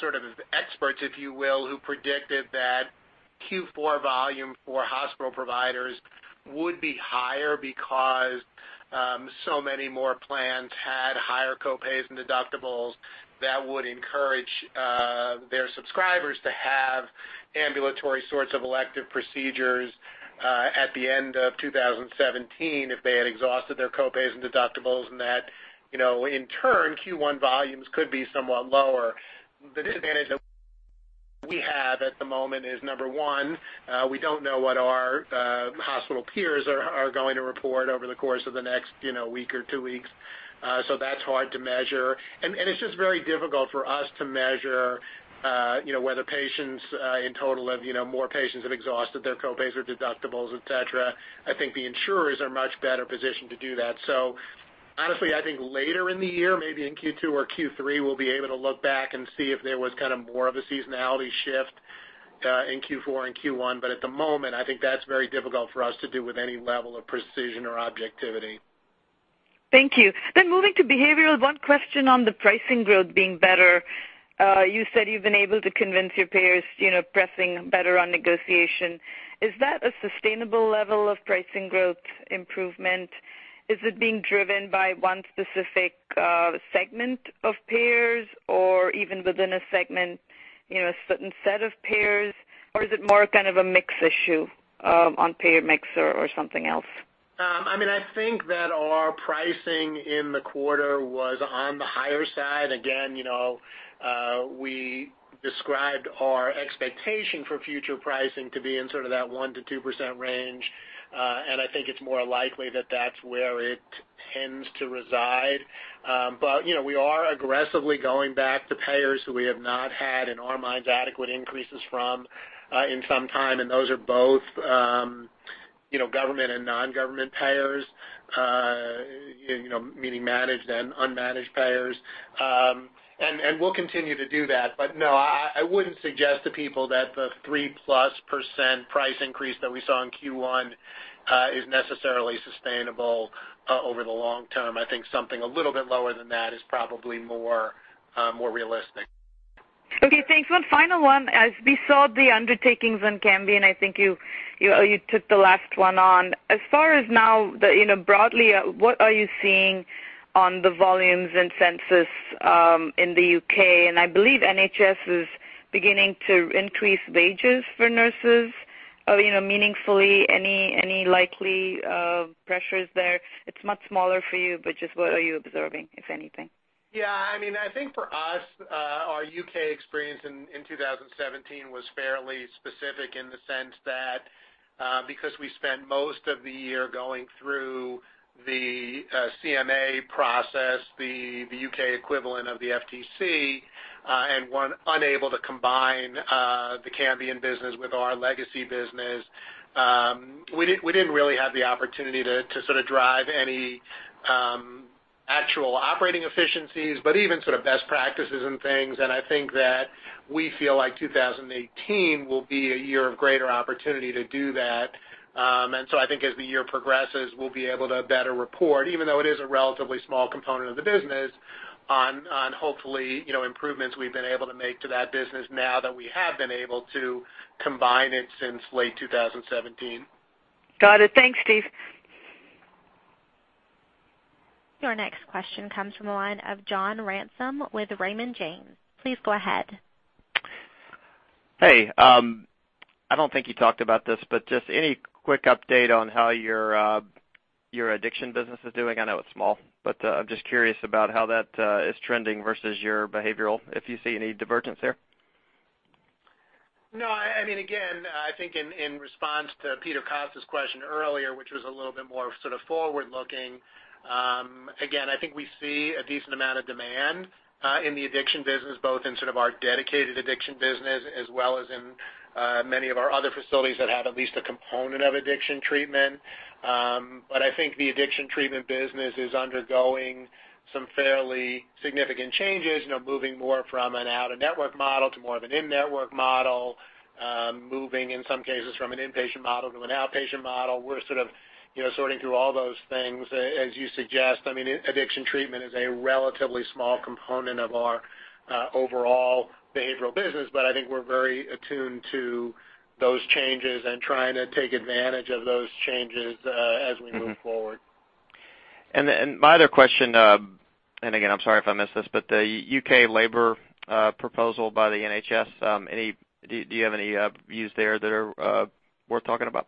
sort of experts, if you will, who predicted that Q4 volume for hospital providers would be higher because so many more plans had higher co-pays and deductibles that would encourage their subscribers to have ambulatory sorts of elective procedures at the end of 2017 if they had exhausted their co-pays and deductibles, and that, in turn, Q1 volumes could be somewhat lower. The disadvantage that we have at the moment is, number one, we don't know what our hospital peers are going to report over the course of the next week or two weeks. That's hard to measure. It's just very difficult for us to measure whether patients, in total, if more patients have exhausted their co-pays or deductibles, et cetera. I think the insurers are much better positioned to do that. Honestly, I think later in the year, maybe in Q2 or Q3, we'll be able to look back and see if there was more of a seasonality shift in Q4 and Q1. At the moment, I think that's very difficult for us to do with any level of precision or objectivity. Thank you. Moving to behavioral, one question on the pricing growth being better. You said you've been able to convince your payers pressing better on negotiation. Is that a sustainable level of pricing growth improvement? Is it being driven by one specific segment of payers or even within a segment, a certain set of payers? Is it more kind of a mix issue on payer mix or something else? I think that our pricing in the quarter was on the higher side. Again, we described our expectation for future pricing to be in sort of that 1%-2% range. I think it's more likely that that's where it tends to reside. But we are aggressively going back to payers who we have not had, in our minds, adequate increases from in some time, and those are both government and non-government payers, meaning managed and unmanaged payers. We'll continue to do that. No, I wouldn't suggest to people that the 3% plus price increase that we saw in Q1 is necessarily sustainable over the long term. I think something a little bit lower than that is probably more realistic. Okay, thanks. One final one. As we saw the undertakings on Cambian, I think you took the last one on. As far as now, broadly, what are you seeing on the volumes and census in the U.K.? I believe NHS is beginning to increase wages for nurses meaningfully. Any likely pressures there? It's much smaller for you, but just what are you observing, if anything? I think for us, our U.K. experience in 2017 was fairly specific in the sense that because we spent most of the year going through the CMA process, the U.K. equivalent of the FTC, one unable to combine the Cambian business with our legacy business, we didn't really have the opportunity to sort of drive any actual operating efficiencies, but even sort of best practices and things. I think that we feel like 2018 will be a year of greater opportunity to do that. I think as the year progresses, we'll be able to better report, even though it is a relatively small component of the business, on hopefully improvements we've been able to make to that business now that we have been able to combine it since late 2017. Got it. Thanks, Steve. Your next question comes from the line of John Ransom with Raymond James. Please go ahead. Hey. I don't think you talked about this, but just any quick update on how your addiction business is doing? I know it's small, but I'm just curious about how that is trending versus your behavioral, if you see any divergence there. No. Again, I think in response to Peter Costa's question earlier, which was a little bit more sort of forward-looking, again, I think we see a decent amount of demand in the addiction business, both in sort of our dedicated addiction business as well as in many of our other facilities that have at least a component of addiction treatment. I think the addiction treatment business is undergoing some fairly significant changes, moving more from an out-of-network model to more of an in-network model, moving, in some cases, from an inpatient model to an outpatient model. We're sort of sorting through all those things. As you suggest, addiction treatment is a relatively small component of our overall behavioral business, but I think we're very attuned to those changes and trying to take advantage of those changes as we move forward. My other question, and again, I'm sorry if I missed this, but the U.K. labor proposal by the NHS, do you have any views there that are worth talking about?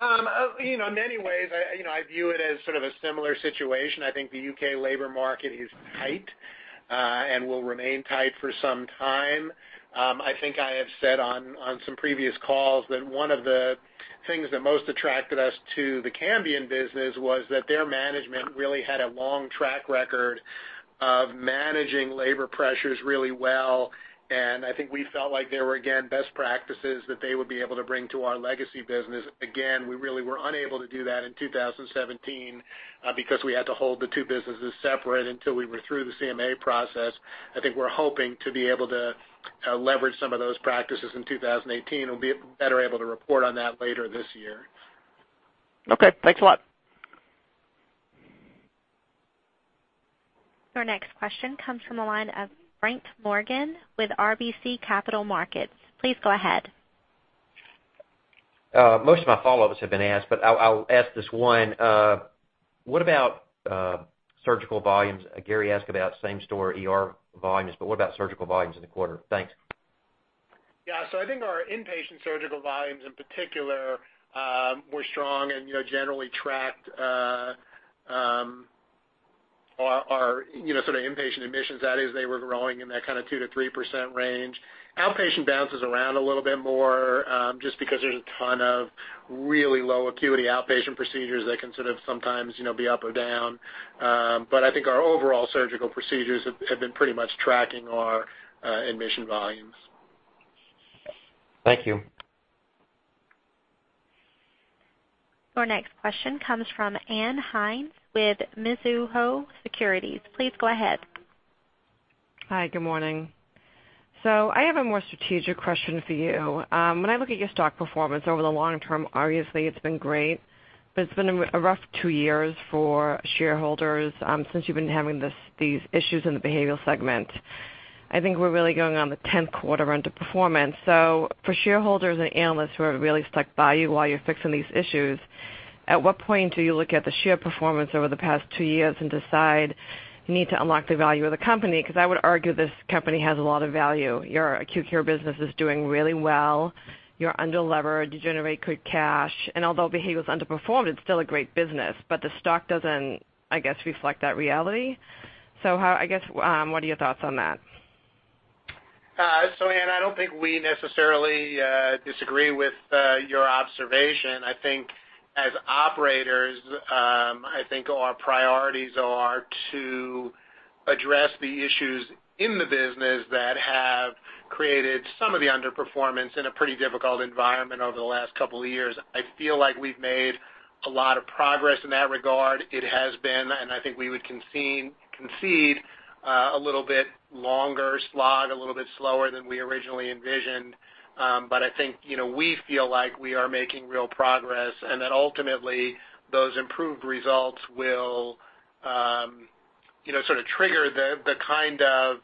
In many ways, I view it as sort of a similar situation. I think the U.K. labor market is tight and will remain tight for some time. I think I have said on some previous calls that one of the things that most attracted us to the Cambian business was that their management really had a long track record of managing labor pressures really well, and I think we felt like there were, again, best practices that they would be able to bring to our legacy business. Again, we really were unable to do that in 2017 because we had to hold the two businesses separate until we were through the CMA process. I think we're hoping to be able to leverage some of those practices in 2018 and we'll be better able to report on that later this year. Okay, thanks a lot. Your next question comes from the line of Frank Morgan with RBC Capital Markets. Please go ahead. Most of my follow-ups have been asked, but I'll ask this one. What about surgical volumes? Gary asked about same-store ER volumes, but what about surgical volumes in the quarter? Thanks. I think our inpatient surgical volumes in particular were strong and generally tracked our sort of inpatient admissions. That is, they were growing in that kind of 2% to 3% range. Outpatient bounces around a little bit more, just because there's a ton of really low acuity outpatient procedures that can sort of sometimes be up or down. I think our overall surgical procedures have been pretty much tracking our admission volumes. Thank you. Your next question comes from Ann Hynes with Mizuho Securities. Please go ahead. Hi. Good morning. I have a more strategic question for you. When I look at your stock performance over the long term, obviously it's been great, but it's been a rough two years for shareholders since you've been having these issues in the behavioral segment. I think we're really going on the 10th quarter into performance. For shareholders and analysts who have really stuck by you while you're fixing these issues, at what point do you look at the share performance over the past two years and decide you need to unlock the value of the company? I would argue this company has a lot of value. Your acute care business is doing really well. You're underlevered, you generate good cash, and although behavioral has underperformed, it's still a great business, but the stock doesn't, I guess, reflect that reality. I guess, what are your thoughts on that? Ann, I don't think we necessarily disagree with your observation. I think as operators, I think our priorities are to address the issues in the business that have created some of the underperformance in a pretty difficult environment over the last couple of years. It has been, and I think we would concede, a little bit longer slog, a little bit slower than we originally envisioned. We feel like we are making real progress and that ultimately those improved results will sort of trigger the kind of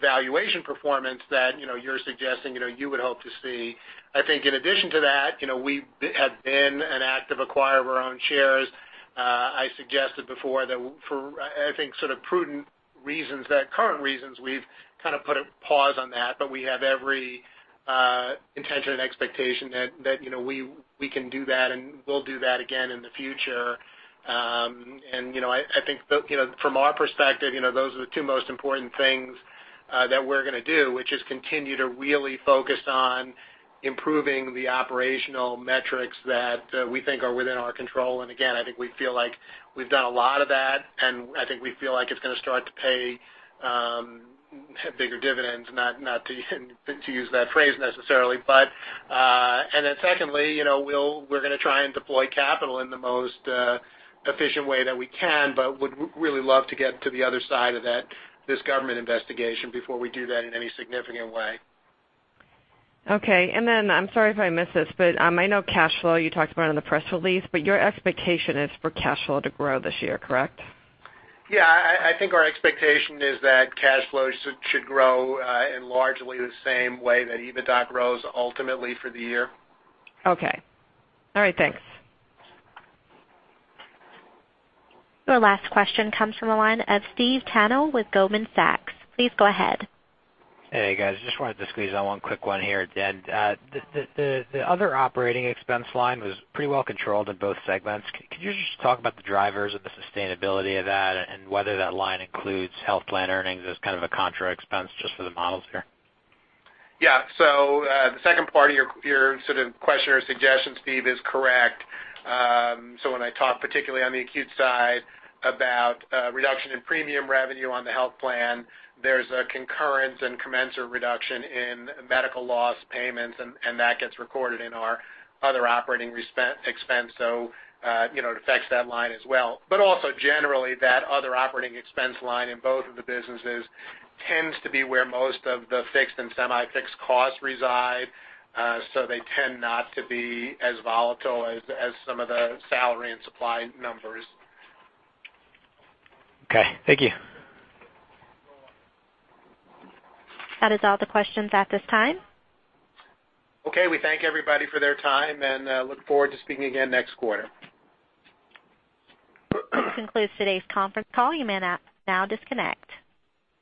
valuation performance that you're suggesting you would hope to see. I think in addition to that, we have been an active acquirer of our own shares. I suggested before that for, I think sort of prudent reasons, current reasons, we've kind of put a pause on that, but we have every intention and expectation that we can do that and will do that again in the future. I think from our perspective, those are the two most important things that we're going to do, which is continue to really focus on improving the operational metrics that we think are within our control. Again, I think we feel like we've done a lot of that, and I think we feel like it's going to start to pay bigger dividends, not to use that phrase necessarily. Then secondly, we're going to try and deploy capital in the most efficient way that we can, but would really love to get to the other side of this government investigation before we do that in any significant way. Okay. Then, I'm sorry if I missed this, I know cash flow you talked about in the press release, your expectation is for cash flow to grow this year, correct? Yeah. I think our expectation is that cash flow should grow in largely the same way that EBITDA grows ultimately for the year. Okay. All right. Thanks. Your last question comes from the line of Steve Tanal with Goldman Sachs. Please go ahead. Hey, guys. Just wanted to squeeze in one quick one here. The other operating expense line was pretty well controlled in both segments. Could you just talk about the drivers of the sustainability of that, and whether that line includes health plan earnings as kind of a contra expense just for the models here? Yeah. The second part of your sort of question or suggestion, Steve, is correct. When I talk particularly on the acute side about reduction in premium revenue on the health plan, there's a concurrent and commensurate reduction in medical loss payments, and that gets recorded in our other operating expense. It affects that line as well. Also generally, that other operating expense line in both of the businesses tends to be where most of the fixed and semi-fixed costs reside. They tend not to be as volatile as some of the salary and supply numbers. Okay. Thank you. That is all the questions at this time. Okay. We thank everybody for their time and look forward to speaking again next quarter. This concludes today's conference call. You may now disconnect.